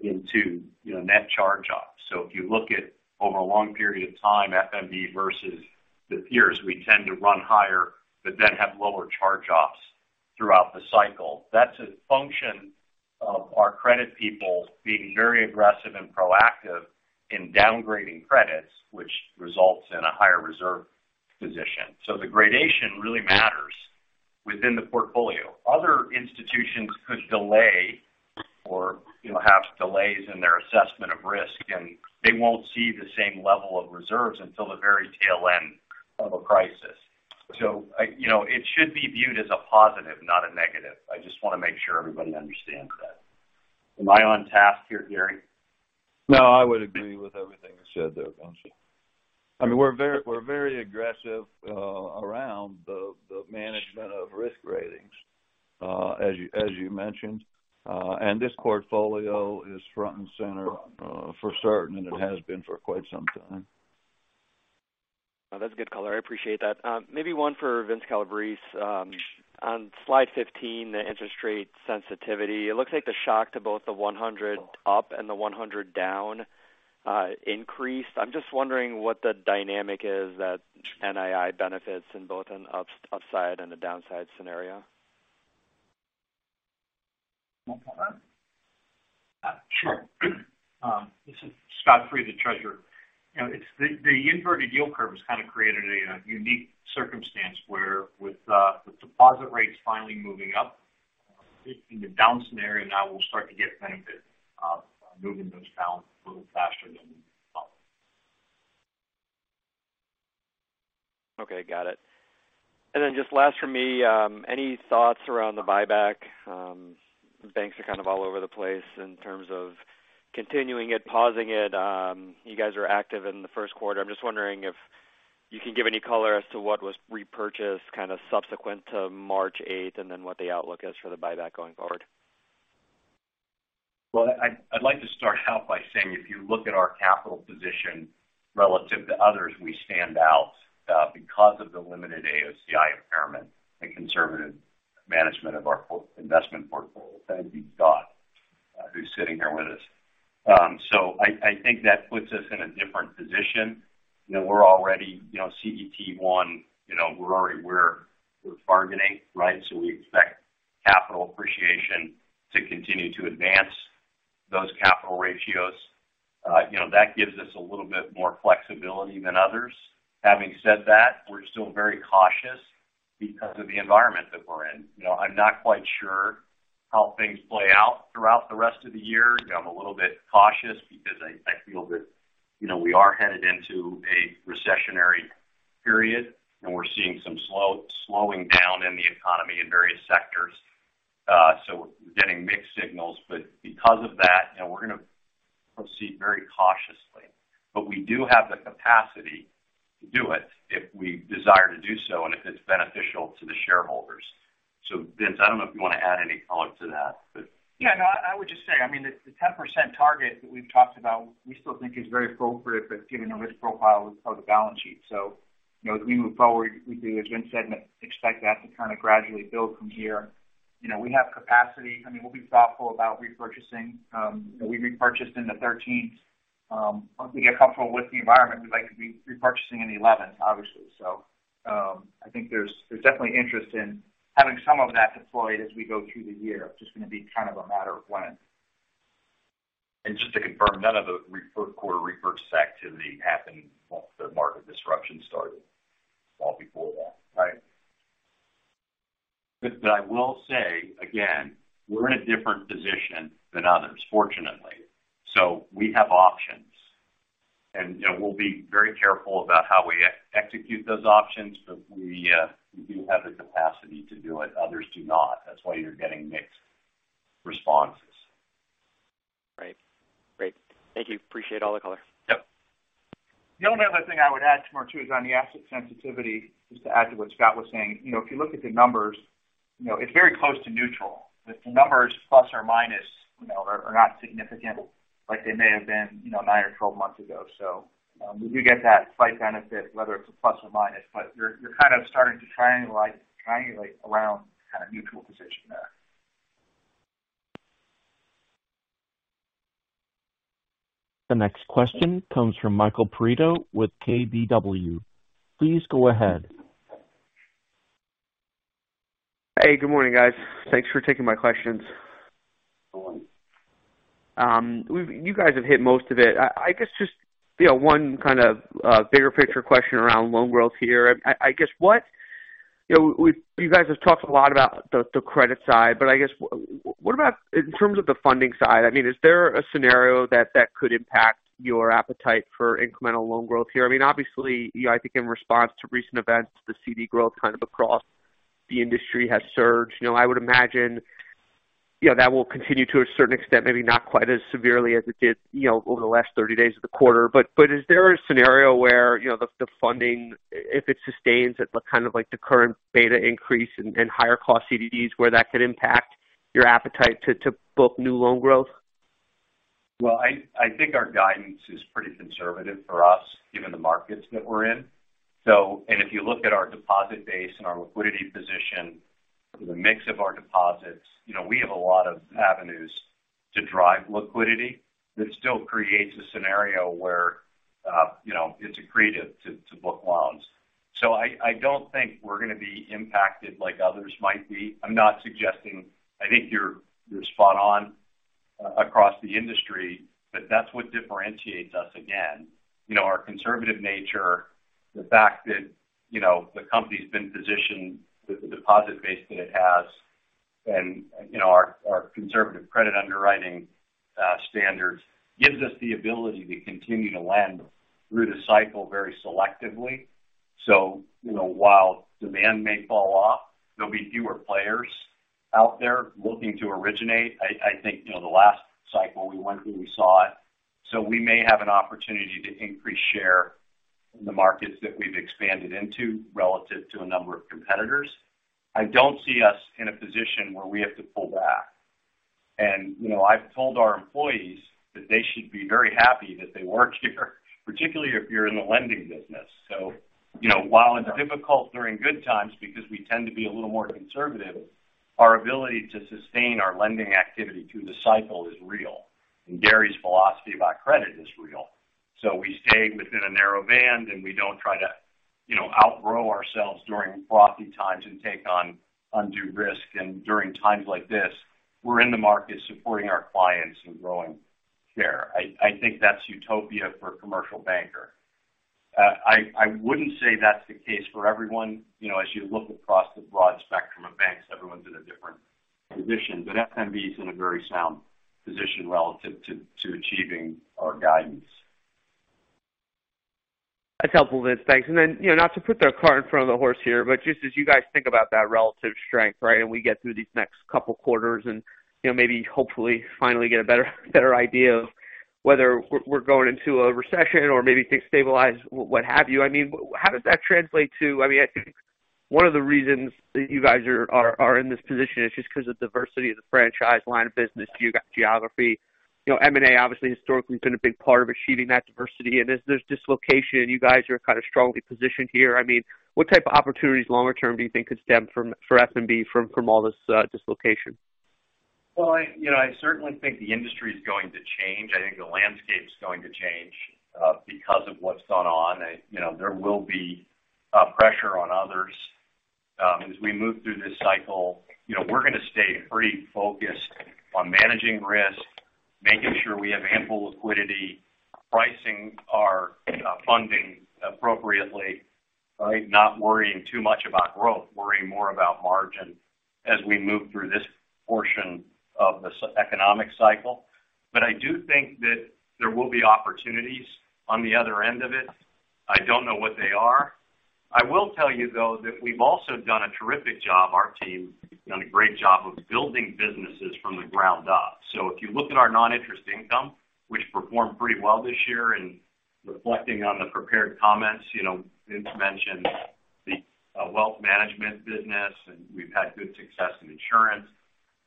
Speaker 3: into, net charge-offs. If you look at over a long period of time, F.N.B. versus the peers, we tend to run higher but then have lower charge-offs throughout the cycle. That's a function of our credit people being very aggressive and proactive in downgrading credits, which results in a higher reserve position. The gradation really matters within the portfolio. Other institutions could have delays in their assessment of risk, and they won't see the same level of reserves until the very tail end of a crisis. You know, it should be viewed as a positive, not a negative. I just want to make sure everybody understands that. Am I on task here, Gary?
Speaker 4: No, I would agree with everything you said there, Vincent. I mean, we're very aggressive, around the management of risk ratings, as you mentioned. This portfolio is front and center, for certain, and it has been for quite some time.
Speaker 8: No, that's a good color. I appreciate that. Maybe one for Vince Calabrese. On slide 15, the interest rate sensitivity, it looks like the shock to both the 100 up and the 100 down, increased. I'm just wondering what the dynamic is that NII benefits in both an up-upside and a downside scenario.
Speaker 3: You want that one?
Speaker 9: Sure. This is Scott Freed, the Treasurer. You know, it's the inverted yield curve has kind of created a unique circumstance where with the deposit rates finally moving up in the down scenario, now we'll start to get benefit of moving those balances a little faster than up.
Speaker 8: Okay, got it. Then just last for me, any thoughts around the buyback? Banks are kind of all over the place in terms of continuing it, pausing it. You guys are active in the Q1. I'm just wondering if you can give any color as to what was repurchased kind of subsequent to March 8th and then what the outlook is for the buyback going forward.
Speaker 9: Well, I'd like to start out by saying if you look at our capital position relative to others, we stand out because of the limited AOCI impairment and conservative management of our investment portfolio. Thank you, Scott, who's sitting here with us. I think that puts us in a different position. You know, we're already, CET1, we're already where we're targeting, right? We expect capital appreciation to continue to advance those capital ratios. That gives us a little bit more flexibility than others. Having said that, we're still very cautious because of the environment that we're in. You I'm not quite sure how things play out throughout the rest of the year. You know, I'm a little bit cautious because I feel that we are headed into a recessionary period, and we're seeing some slowing down in the economy in various sectors. We're getting mixed signals, but because of that, we're going to proceed very cautiously. We do have the capacity to do it if we desire to do so and if it's beneficial to the shareholders. Vince, I don't know if you want to add any color to that, but.
Speaker 5: No, I would just say, I mean, the 10% target that we've talked about, we still think is very appropriate, but given the risk profile of the balance sheet. You know, as we move forward, we do, as Vince said, expect that to kind of gradually build from here. You know, we have capacity. I mean, we'll be thoughtful about repurchasing. We repurchased in the 13th. Once we get comfortable with the environment, we'd like to be repurchasing in the 11th, obviously. I think there's definitely interest in having some of that deployed as we go through the year. It's just going to be kind of a matter of when.
Speaker 3: Just to confirm, none of the quarter repurchase activity happened once the market disruption started. It was all before that.
Speaker 9: Right.
Speaker 3: I will say again, we're in a different position than others, fortunately. We have options. You know, we'll be very careful about how we execute those options, but we do have the capacity to do it. Others do not. That's why you're getting mixed responses.
Speaker 8: Right. Great. Thank you. Appreciate all the color.
Speaker 3: Yep.
Speaker 9: The only other thing I would add, Timur, too, is on the asset sensitivity, just to add to what Scott was saying. You know, if you look at the numbers, it's very close to neutral. The numbers plus or minus, are not significant like they may have been, nine or 12 months ago. We do get that slight benefit, whether it's a plus or minus, but you're kind of starting to triangulate around kind of neutral position there.
Speaker 1: The next question comes from Michael Perito with KBW. Please go ahead.
Speaker 10: Hey, good morning, guys. Thanks for taking my questions. You guys have hit most of it. I guess just, one kind of, bigger picture question around loan growth here. You know, you guys have talked a lot about the credit side, but I guess what about in terms of the funding side? I mean, is there a scenario that could impact your appetite for incremental loan growth here? I mean, obviously, I think in response to recent events, the CD growth kind of across the industry has surged. You know, I would imagine that will continue to a certain extent. Maybe not quite as severely as it did, over the last 30 days of the quarter. Is there a scenario where, he funding, if it sustains at the kind of like the current beta increase and higher cost CDDs, where that could impact your appetite to book new loan growth?
Speaker 3: Well, I think our guidance is pretty conservative for us given the markets that we're in. If you look at our deposit base and our liquidity position, the mix of our deposits, we have a lot of avenues to drive liquidity that still creates a scenario where, it's accretive to book loans. I don't think we're going to be impacted like others might be. I think you're spot on across the industry, but that's what differentiates us again. You know, our conservative nature. The fact that, the company's been positioned with the deposit base that it has and, our conservative credit underwriting standards gives us the ability to continue to lend through the cycle very selectively. You know, while demand may fall off, there'll be fewer players out there looking to originate. I think, the last cycle we went through, we saw it. We may have an opportunity to increase share in the markets that we've expanded into relative to a number of competitors. I don't see us in a position where we have to pull back. You know, I've told our employees that they should be very happy that they work here, particularly if you're in the lending business. You know, while it's difficult during good times because we tend to be a little more conservative, our ability to sustain our lending activity through the cycle is real, and Gary's philosophy about credit is real. We stay within a narrow band, and we don't try to, outgrow ourselves during frothy times and take on undue risk. During times like this, we're in the market supporting our clients and growing share. I think that's utopia for a commercial banker. I wouldn't say that's the case for everyone. You know, as you look across the broad spectrum of banks, everyone's in a different position. F.N.B. is in a very sound position relative to achieving our guidance.
Speaker 10: That's helpful, Vince. Thanks. Then, not to put the cart in front of the horse here, but just as you guys think about that relative strength, right, and we get through these next couple quarters and, maybe hopefully finally get a better idea of whether we're going into a recession or maybe things stabilize, what have you. How does that translate to, I mean, I think one of the reasons that you guys are in this position is just 'cause of diversity of the franchise line of business. You got geography. You know, M&A obviously historically has been a big part of achieving that diversity. As there's dislocation, you guys are kind of strongly positioned here. What type of opportunities longer term do you think could stem from, for F.N.B. from all this dislocation?
Speaker 3: Well, I certainly think the industry is going to change. I think the landscape's going to change, because of what's gone on. You know, there will be pressure on others. As we move through this cycle, we're gonna stay pretty focused on managing risk, making sure we have ample liquidity, pricing our funding appropriately, right? Not worrying too much about growth, worrying more about margin as we move through this portion of the cy-economic cycle. I do think that there will be opportunities on the other end of it. I don't know what they are. I will tell you, though, that we've also done a terrific job. Our team has done a great job of building businesses from the ground up. If you look at our non-interest income, which performed pretty well this year, reflecting on the prepared comments, Vince mentioned the wealth management business, and we've had good success in insurance.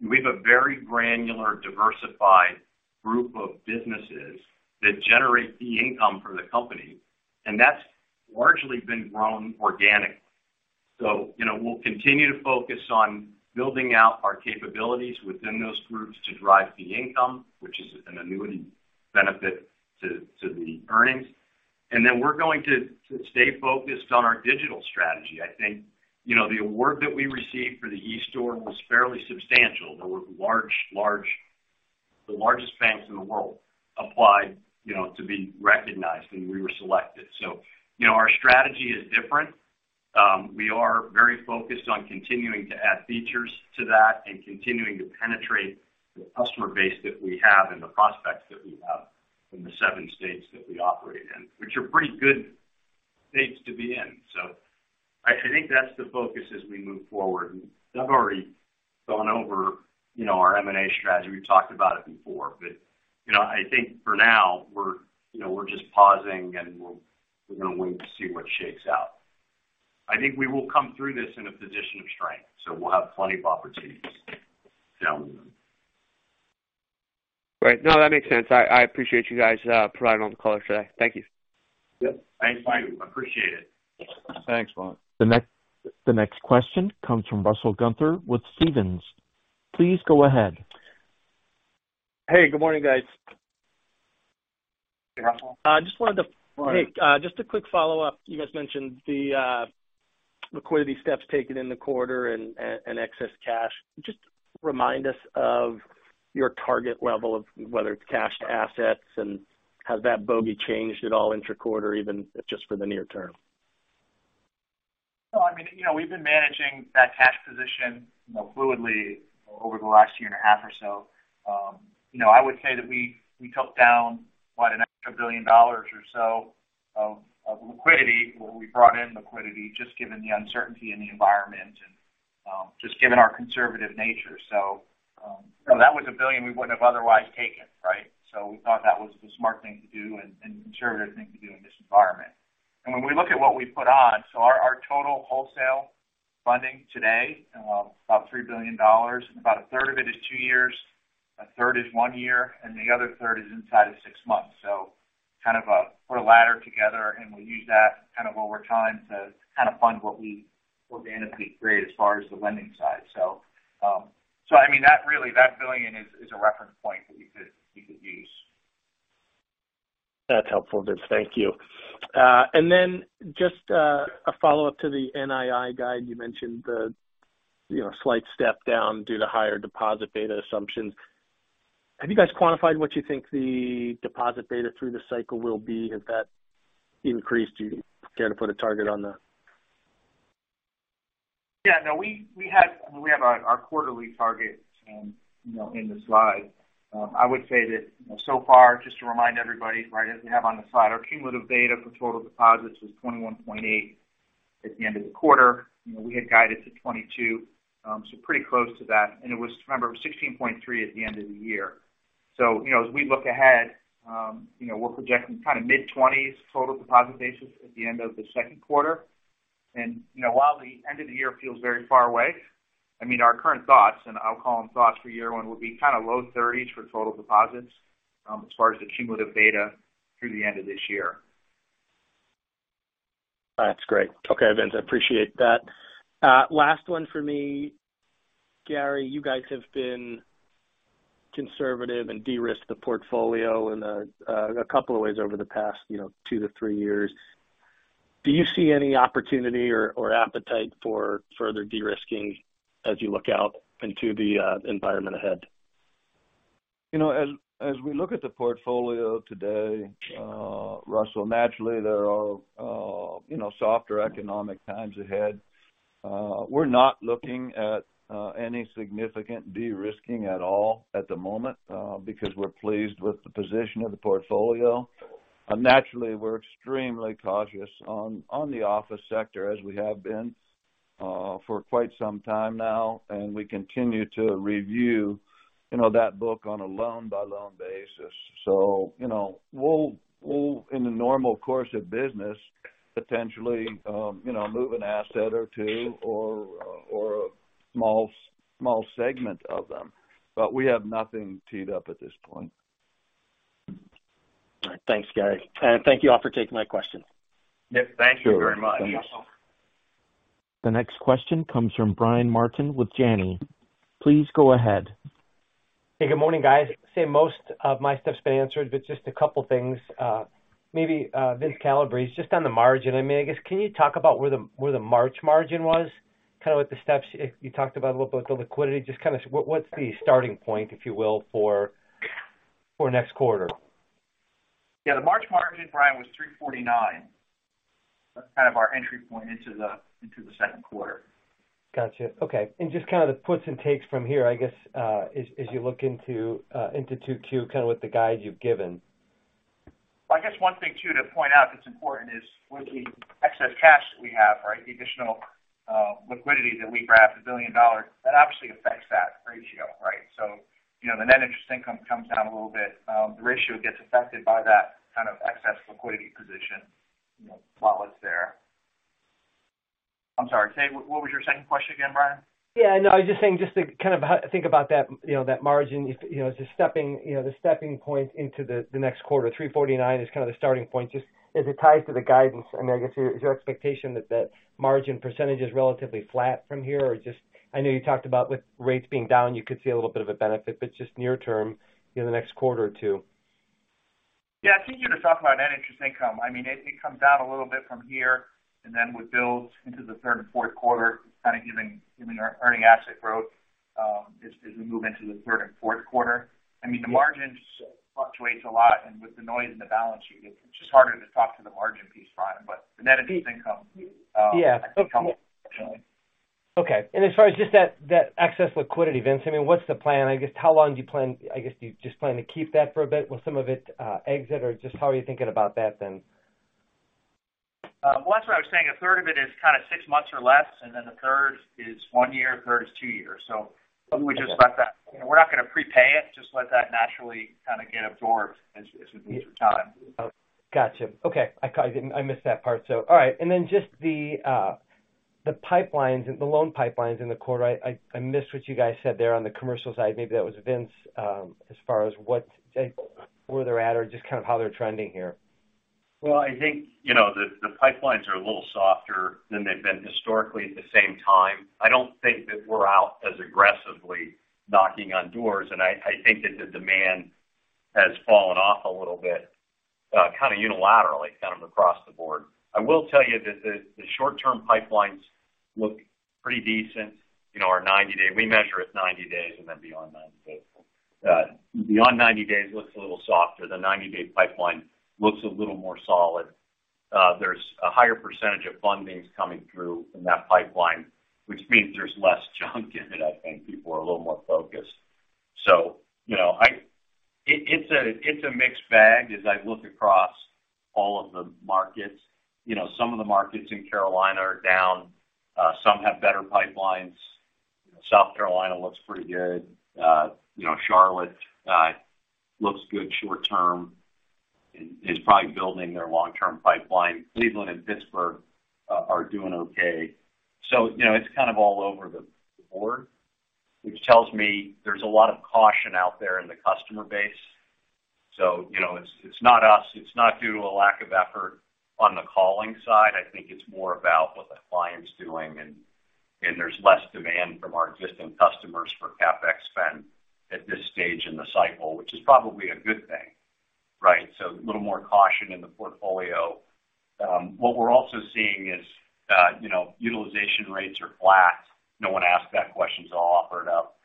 Speaker 3: We have a very granular, diversified group of businesses that generate fee income for the company, that's largely been grown organically. You know, we'll continue to focus on building out our capabilities within those groups to drive fee income, which is an annuity benefit to the earnings. We're going to stay focused on our digital strategy. I think, the award that we received for the eStore was fairly substantial. There were the largest banks in the world applied, to be recognized, and we were selected. You know, our strategy is different. We are very focused on continuing to add features to that and continuing to penetrate the customer base that we have and the prospects that we have in the seven states that we operate in, which are pretty good states to be in. I think that's the focus as we move forward. I've already gone over, our M&A strategy. We've talked about it before. You know, I think for now we're just pausing, and we're gonna wait to see what shakes out. I think we will come through this in a position of strength, so we'll have plenty of opportunities down the line.
Speaker 10: Right. No, that makes sense. I appreciate you guys providing on the call today. Thank you.
Speaker 3: Yep. Thanks, Mike. Appreciate it.
Speaker 9: Thanks, Mike.
Speaker 1: The next question comes from Russell Gunther with Stephens. Please go ahead.
Speaker 11: Hey, good morning, guys.
Speaker 3: Hey, Russell.
Speaker 11: I just wanted to-
Speaker 3: Morning.
Speaker 11: Hey, just a quick follow-up. You guys mentioned the liquidity steps taken in the quarter and excess cash. Just remind us of your target level of whether it's cash to assets, and has that bogey changed at all intra-quarter, even just for the near term?
Speaker 3: I mean, we've been managing that cash position, fluidly over the last year and a half or so, I would say that we took down about an extra $1 billion or so of liquidity, where we brought in liquidity just given the uncertainty in the environment and just given our conservative nature. That was $1 billion we wouldn't have otherwise taken, right? We thought that was the smart thing to do and conservative thing to do in this environment. When we look at what we put on, our total wholesale funding today, about $3 billion, and about a third of it is two years, a third is one year, and the other third is inside of six months. Kind of put a ladder together and we use that kind of over time to kind of fund what we organically create as far as the lending side. I mean, that really, that billion is a reference point that you could use.
Speaker 11: That's helpful, Vince. Thank you. Just a follow-up to the NII guide. You mentioned the, you know, slight step down due to higher deposit beta assumptions. Have you guys quantified what you think the deposit beta through the cycle will be? Has that increased? Do you care to put a target on that?
Speaker 3: We have our quarterly target, in the slide. I would say that, now, so far, just to remind everybody, right as we have on the slide, our cumulative beta for total deposits was 21.8% at the end of the quarter. You know, we had guided to 22%, so pretty close to that. It was, remember, 16.3% at the end of the year. You know, as we look ahead we're projecting kind of mid-20s total deposit basis at the end of the Q2. You know, while the end of the year feels very far away, I mean, our current thoughts, and I'll call them thoughts for year 1, will be kind of low 30s for total deposits as far as the cumulative data through the end of this year.
Speaker 11: That's great. Okay, Vince, I appreciate that. Last one for me. Gary, you guys have been conservative and de-risked the portfolio in a couple of ways over the past, two to three years. Do you see any opportunity or appetite for further de-risking as you look out into the environment ahead?
Speaker 4: You know, as we look at the portfolio today, Russell, naturally there are, softer economic times ahead. We're not looking at any significant de-risking at all at the moment, because we're pleased with the position of the portfolio. Naturally, we're extremely cautious on the office sector, as we have been for quite some time now, and we continue to review, that book on a loan by loan basis. You know, we'll in the normal course of business, potentially, move an asset or two or a small segment of them, but we have nothing teed up at this point.
Speaker 11: All right. Thanks, Gary, and thank you all for taking my question.
Speaker 3: Yes, thank you very much.
Speaker 4: Sure. Thanks.
Speaker 1: The next question comes from Brian Martin with Janney. Please go ahead.
Speaker 12: Hey, good morning, guys. I'd say most of my stuff's been answered, but just a couple things. Maybe, Vince Calabrese, just on the margin, I mean, I guess can you talk about where the March margin was, kind of what the steps you talked about with the liquidity, just kind of what's the starting point, if you will, for next quarter?
Speaker 13: Yeah. The March margin, Brian, was 3.49%. That's kind of our entry point into the, into the Q2
Speaker 12: Gotcha. Okay. Just kind of the puts and takes from here, I guess, as you look into 2022, kind of with the guide you've given.
Speaker 9: I guess one thing too to point out that's important is with the excess cash that we have, right? The additional liquidity that we grabbed, $1 billion, that obviously affects that ratio, right? You know, the Net Interest Income comes down a little bit. The ratio gets affected by that kind of excess liquidity position, you know, while it's there. I'm sorry. Say, what was your second question again, Brian?
Speaker 12: Yeah, no, I was just saying just to kind of think about that, you know, that margin, if, you know, the stepping, you know, the stepping point into the next quarter, 3.49% is kind of the starting point. Just as it ties to the guidance. I mean, I guess, is your expectation that the margin percentage is relatively flat from here? I know you talked about with rates being down, you could see a little bit of a benefit, but just near term, you know, the next quarter or two?
Speaker 9: I think you just talked about net interest income. I mean, it comes down a little bit from here and then would build into the Q3 and Q4, kind of giving our earning asset growth, as we move into the third and Q4. I mean, the margins fluctuates a lot and with the noise in the balance sheet, it's just harder to talk to the margin piece, Brian. The net interest income.
Speaker 12: Yeah.
Speaker 9: I think
Speaker 12: Okay. As far as just that excess liquidity, Vince, I mean, what's the plan? How long do you plan? Do you just plan to keep that for a bit? Will some of it exit or just how are you thinking about that then?
Speaker 9: Well, that's what I was saying. A third of it is kind of 6 months or less, and then a third is 1 year, a third is 2 years. Probably just let that, you know, we're not gonna prepay it. Just let that naturally kind of get absorbed as we move through time.
Speaker 12: Gotcha. Okay. I missed that part, so. All right. Then just the pipelines and the loan pipelines in the quarter. I missed what you guys said there on the commercial side. Maybe that was Vince, as far as where they're at or just kind of how they're trending here.
Speaker 4: I think, you know, the pipelines are a little softer than they've been historically. At the same time, I don't think that we're out as aggressively knocking on doors, and I think that the demand has fallen off a little bit, kind of unilaterally, kind of across the board. I will tell you that the short-term pipelines look pretty decent. You know, our 90-day. We measure it 90 days and then beyond 90 days. Beyond 90 days looks a little softer. The 90-day pipeline looks a little more solid. There's a higher percentage of fundings coming through in that pipeline, which means there's less junk in it. I think people are a little more focused. You know, I... It, it's a, it's a mixed bag as I look across all of the markets. You know, some of the markets in Carolina are down. Some have better pipelines. South Carolina looks pretty good. You know, Charlotte, looks good short term and is probably building their long-term pipeline. Cleveland and Pittsburgh, are doing okay. You know, it's kind of all over the board, which tells me there's a lot of caution out there in the customer base. You know, it's not us. It's not due to a lack of effort on the calling side. I think it's more about what the client's doing, and there's less demand from our existing customers for CapEx spend at this stage in the cycle, which is probably a good thing. Right. A little more caution in the portfolio. What we're also seeing is, you know, utilization rates are flat. No one asked that question, so I'll offer it up.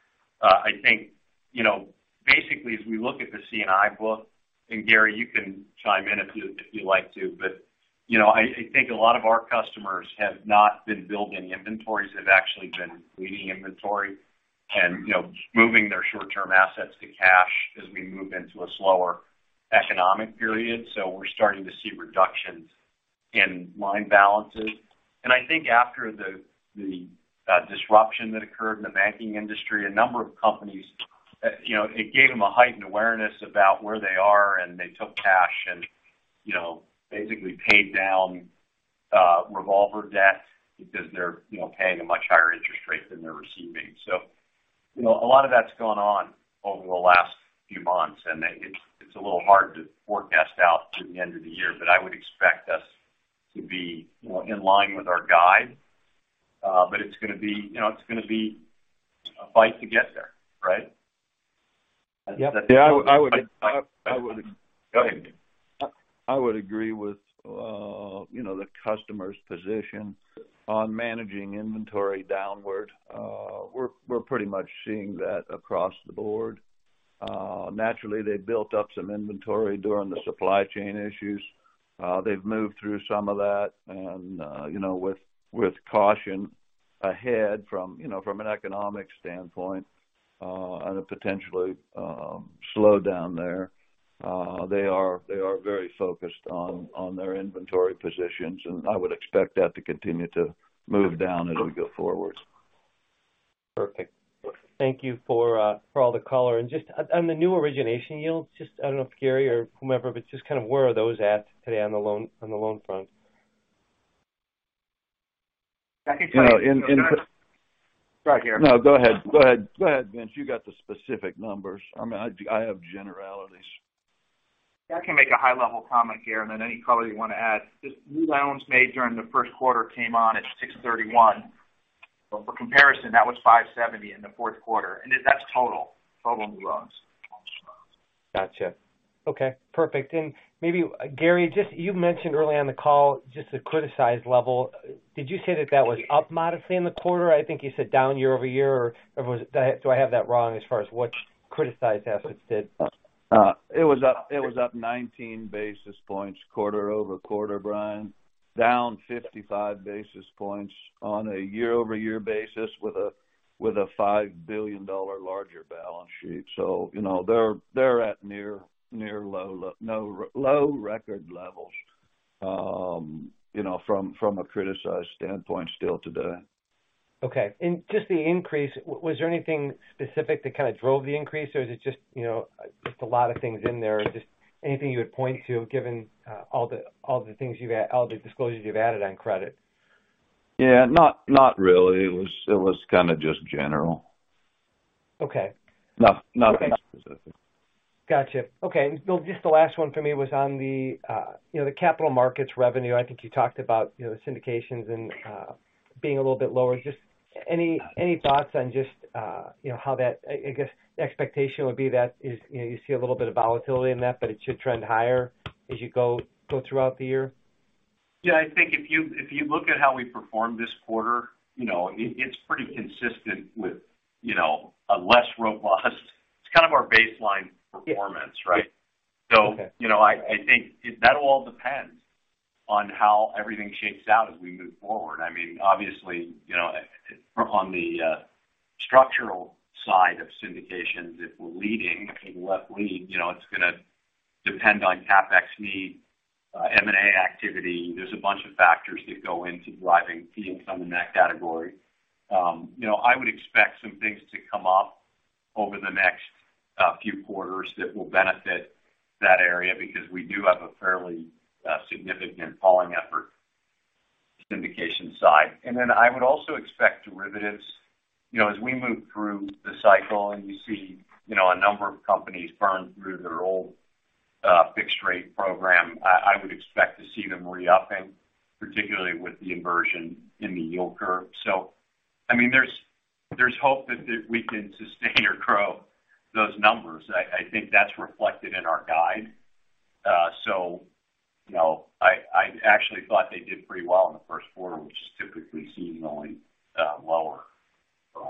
Speaker 4: I think, you know, basically, as we look at the C&I book, and Gary, you can chime in if you'd like to, but, you know, I think a lot of our customers have not been building inventories. They've actually been leading inventory, and, you know, moving their short-term assets to cash as we move into a slower economic period. We're starting to see reductions in line balances. I think after the disruption that occurred in the banking industry, a number of companies, you know, it gave them a heightened awareness about where they are, and they took cash and, you know, basically paid down revolver debt because they're, you know, paying a much higher interest rate than they're receiving. You know, a lot of that's gone on over the last few months, and it's a little hard to forecast out through the end of the year. I would expect us to be, you know, in line with our guide. It's gonna be, you know, it's gonna be a fight to get there, right? Yeah. I would.
Speaker 3: Go ahead. I would agree with, you know, the customer's position on managing inventory downward. We're pretty much seeing that across the board. Naturally, they built up some inventory during the supply chain issues. They've moved through some of that, and, you know, with caution ahead from, you know, from an economic standpoint, and a potentially slow down there. They are very focused on their inventory positions, and I would expect that to continue to move down as we go forward.
Speaker 12: Perfect. Thank you for all the color. Just on the new origination yields, just, I don't know if Gary or whomever, but just kind of where are those at today on the loan front?
Speaker 3: I think-
Speaker 4: You know. Go ahead. No, go ahead, Vince.
Speaker 3: You got the specific numbers. I mean, I have generalities.
Speaker 4: I can make a high-level comment here, then any color you wanna add. Just new loans made during the Q1 came on at 6.31%. For comparison, that was 5.70% in the Q4. That's total. Total new loans.
Speaker 12: Gotcha. Okay, perfect. Maybe Gary, just you mentioned early on the call just the criticized level. Did you say that that was up modestly in the quarter? I think you said down year-over-year, or was it, do I have that wrong as far as which criticized assets did?
Speaker 4: It was up 19 basis points quarter-over-quarter, Brian, down 55 basis points on a year-over-year basis with a $5 billion larger balance sheet. You know, they're at near low record levels, you know, from a criticized standpoint still today.
Speaker 12: Okay. Just the increase, was there anything specific that kind of drove the increase, or is it just, you know, just a lot of things in there? Just anything you would point to given all the things you've all the disclosures you've added on credit?
Speaker 4: Yeah. Not really. It was kind of just general.
Speaker 12: Okay.
Speaker 4: No, nothing specific.
Speaker 12: Gotcha. Okay. Just the last one for me was on the capital markets revenue. I think you talked aboutsyndications and being a little bit lower. Any thoughts on, I guess the expectation would be that is, you see a little bit of volatility in that, but it should trend higher as you go throughout the year.
Speaker 3: Yeah. I think if you look at how we performed this quarter, it's pretty consistent with, It's kind of our baseline performance, right?
Speaker 12: Okay.
Speaker 3: you know, I think that'll all depend on how everything shakes out as we move forward. I mean, obviously on the structural side of syndications, if we're leading, if we let lead, it's gonna depend on CapEx need, M&A activity. There's a bunch of factors that go into driving fees on that category. I would expect some things to come up over the next few quarters that will benefit that area because we do have a fairly significant hauling effort syndication side. I would also expect derivatives. You know, as we move through the cycle and you see, a number of companies burn through their old fixed rate program, I would expect to see them re-upping, particularly with the inversion in the yield curve. I mean, there's hope that we can sustain or grow those numbers. I think that's reflected in our guide. You know, I actually thought they did pretty well in the Q1, which is typically seasonally lower.
Speaker 12: Yeah.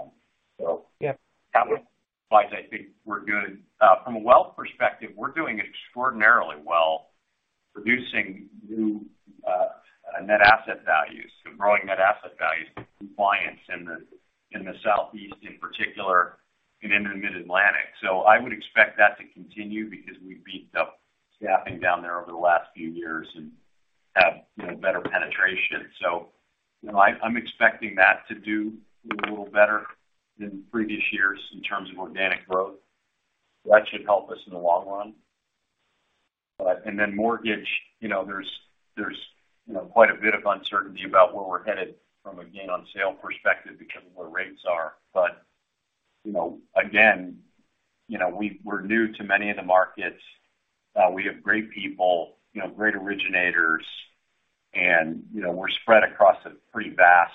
Speaker 3: I think we're good. From a wealth perspective, we're doing extraordinarily well producing new net asset values. Growing net asset values, compliance in the, in the southeast in particular, and in the Mid-Atlantic. I would expect that to continue because we've beefed up staffing down there over the last few years and have, better penetration. I'm expecting that to do a little better than previous years in terms of organic growth. That should help us in the long run. Mortgage, there's, quite a bit of uncertainty about where we're headed from a gain on sale perspective because of where rates are. You know, again, we're new to many of the markets. We have great people, now, great originators, we're spread across a pretty vast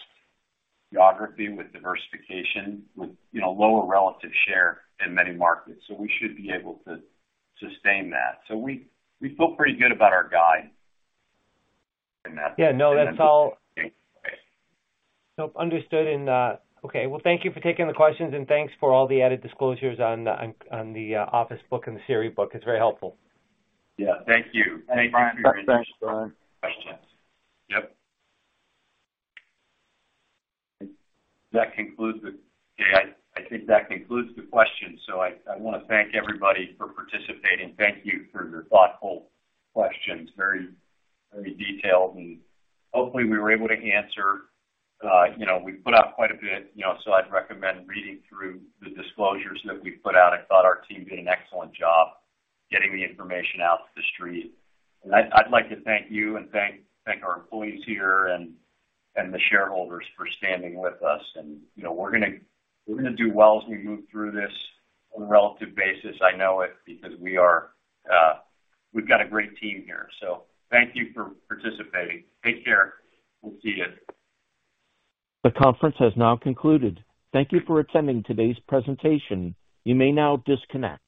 Speaker 3: geography with diversification, with, lower relative share in many markets. We should be able to sustain that. We, we feel pretty good about our guide in that.
Speaker 12: Yeah. No, that's.
Speaker 3: Right.
Speaker 12: Understood. Okay. Well, thank you for taking the questions, and thanks for all the added disclosures on the office book and the series book. It's very helpful.
Speaker 3: Yeah. Thank you.
Speaker 4: Thanks, Brian.
Speaker 3: Questions. Yep. That concludes the questions. I want to thank everybody for participating. Thank you for your thoughtful questions. Very, very detailed, and hopefully, we were able to answer. You know, we put out quite a bit,, I'd recommend reading through the disclosures that we put out. I thought our team did an excellent job getting the information out to the street. I'd like to thank you and thank our employees here and the shareholders for standing with us. You know, we're going to do well as we move through this on a relative basis. I know it because we are, we've got a great team here. Thank you for participating. Take care. We'll see you.
Speaker 1: The conference has now concluded. Thank you for attending today's presentation. You may now disconnect.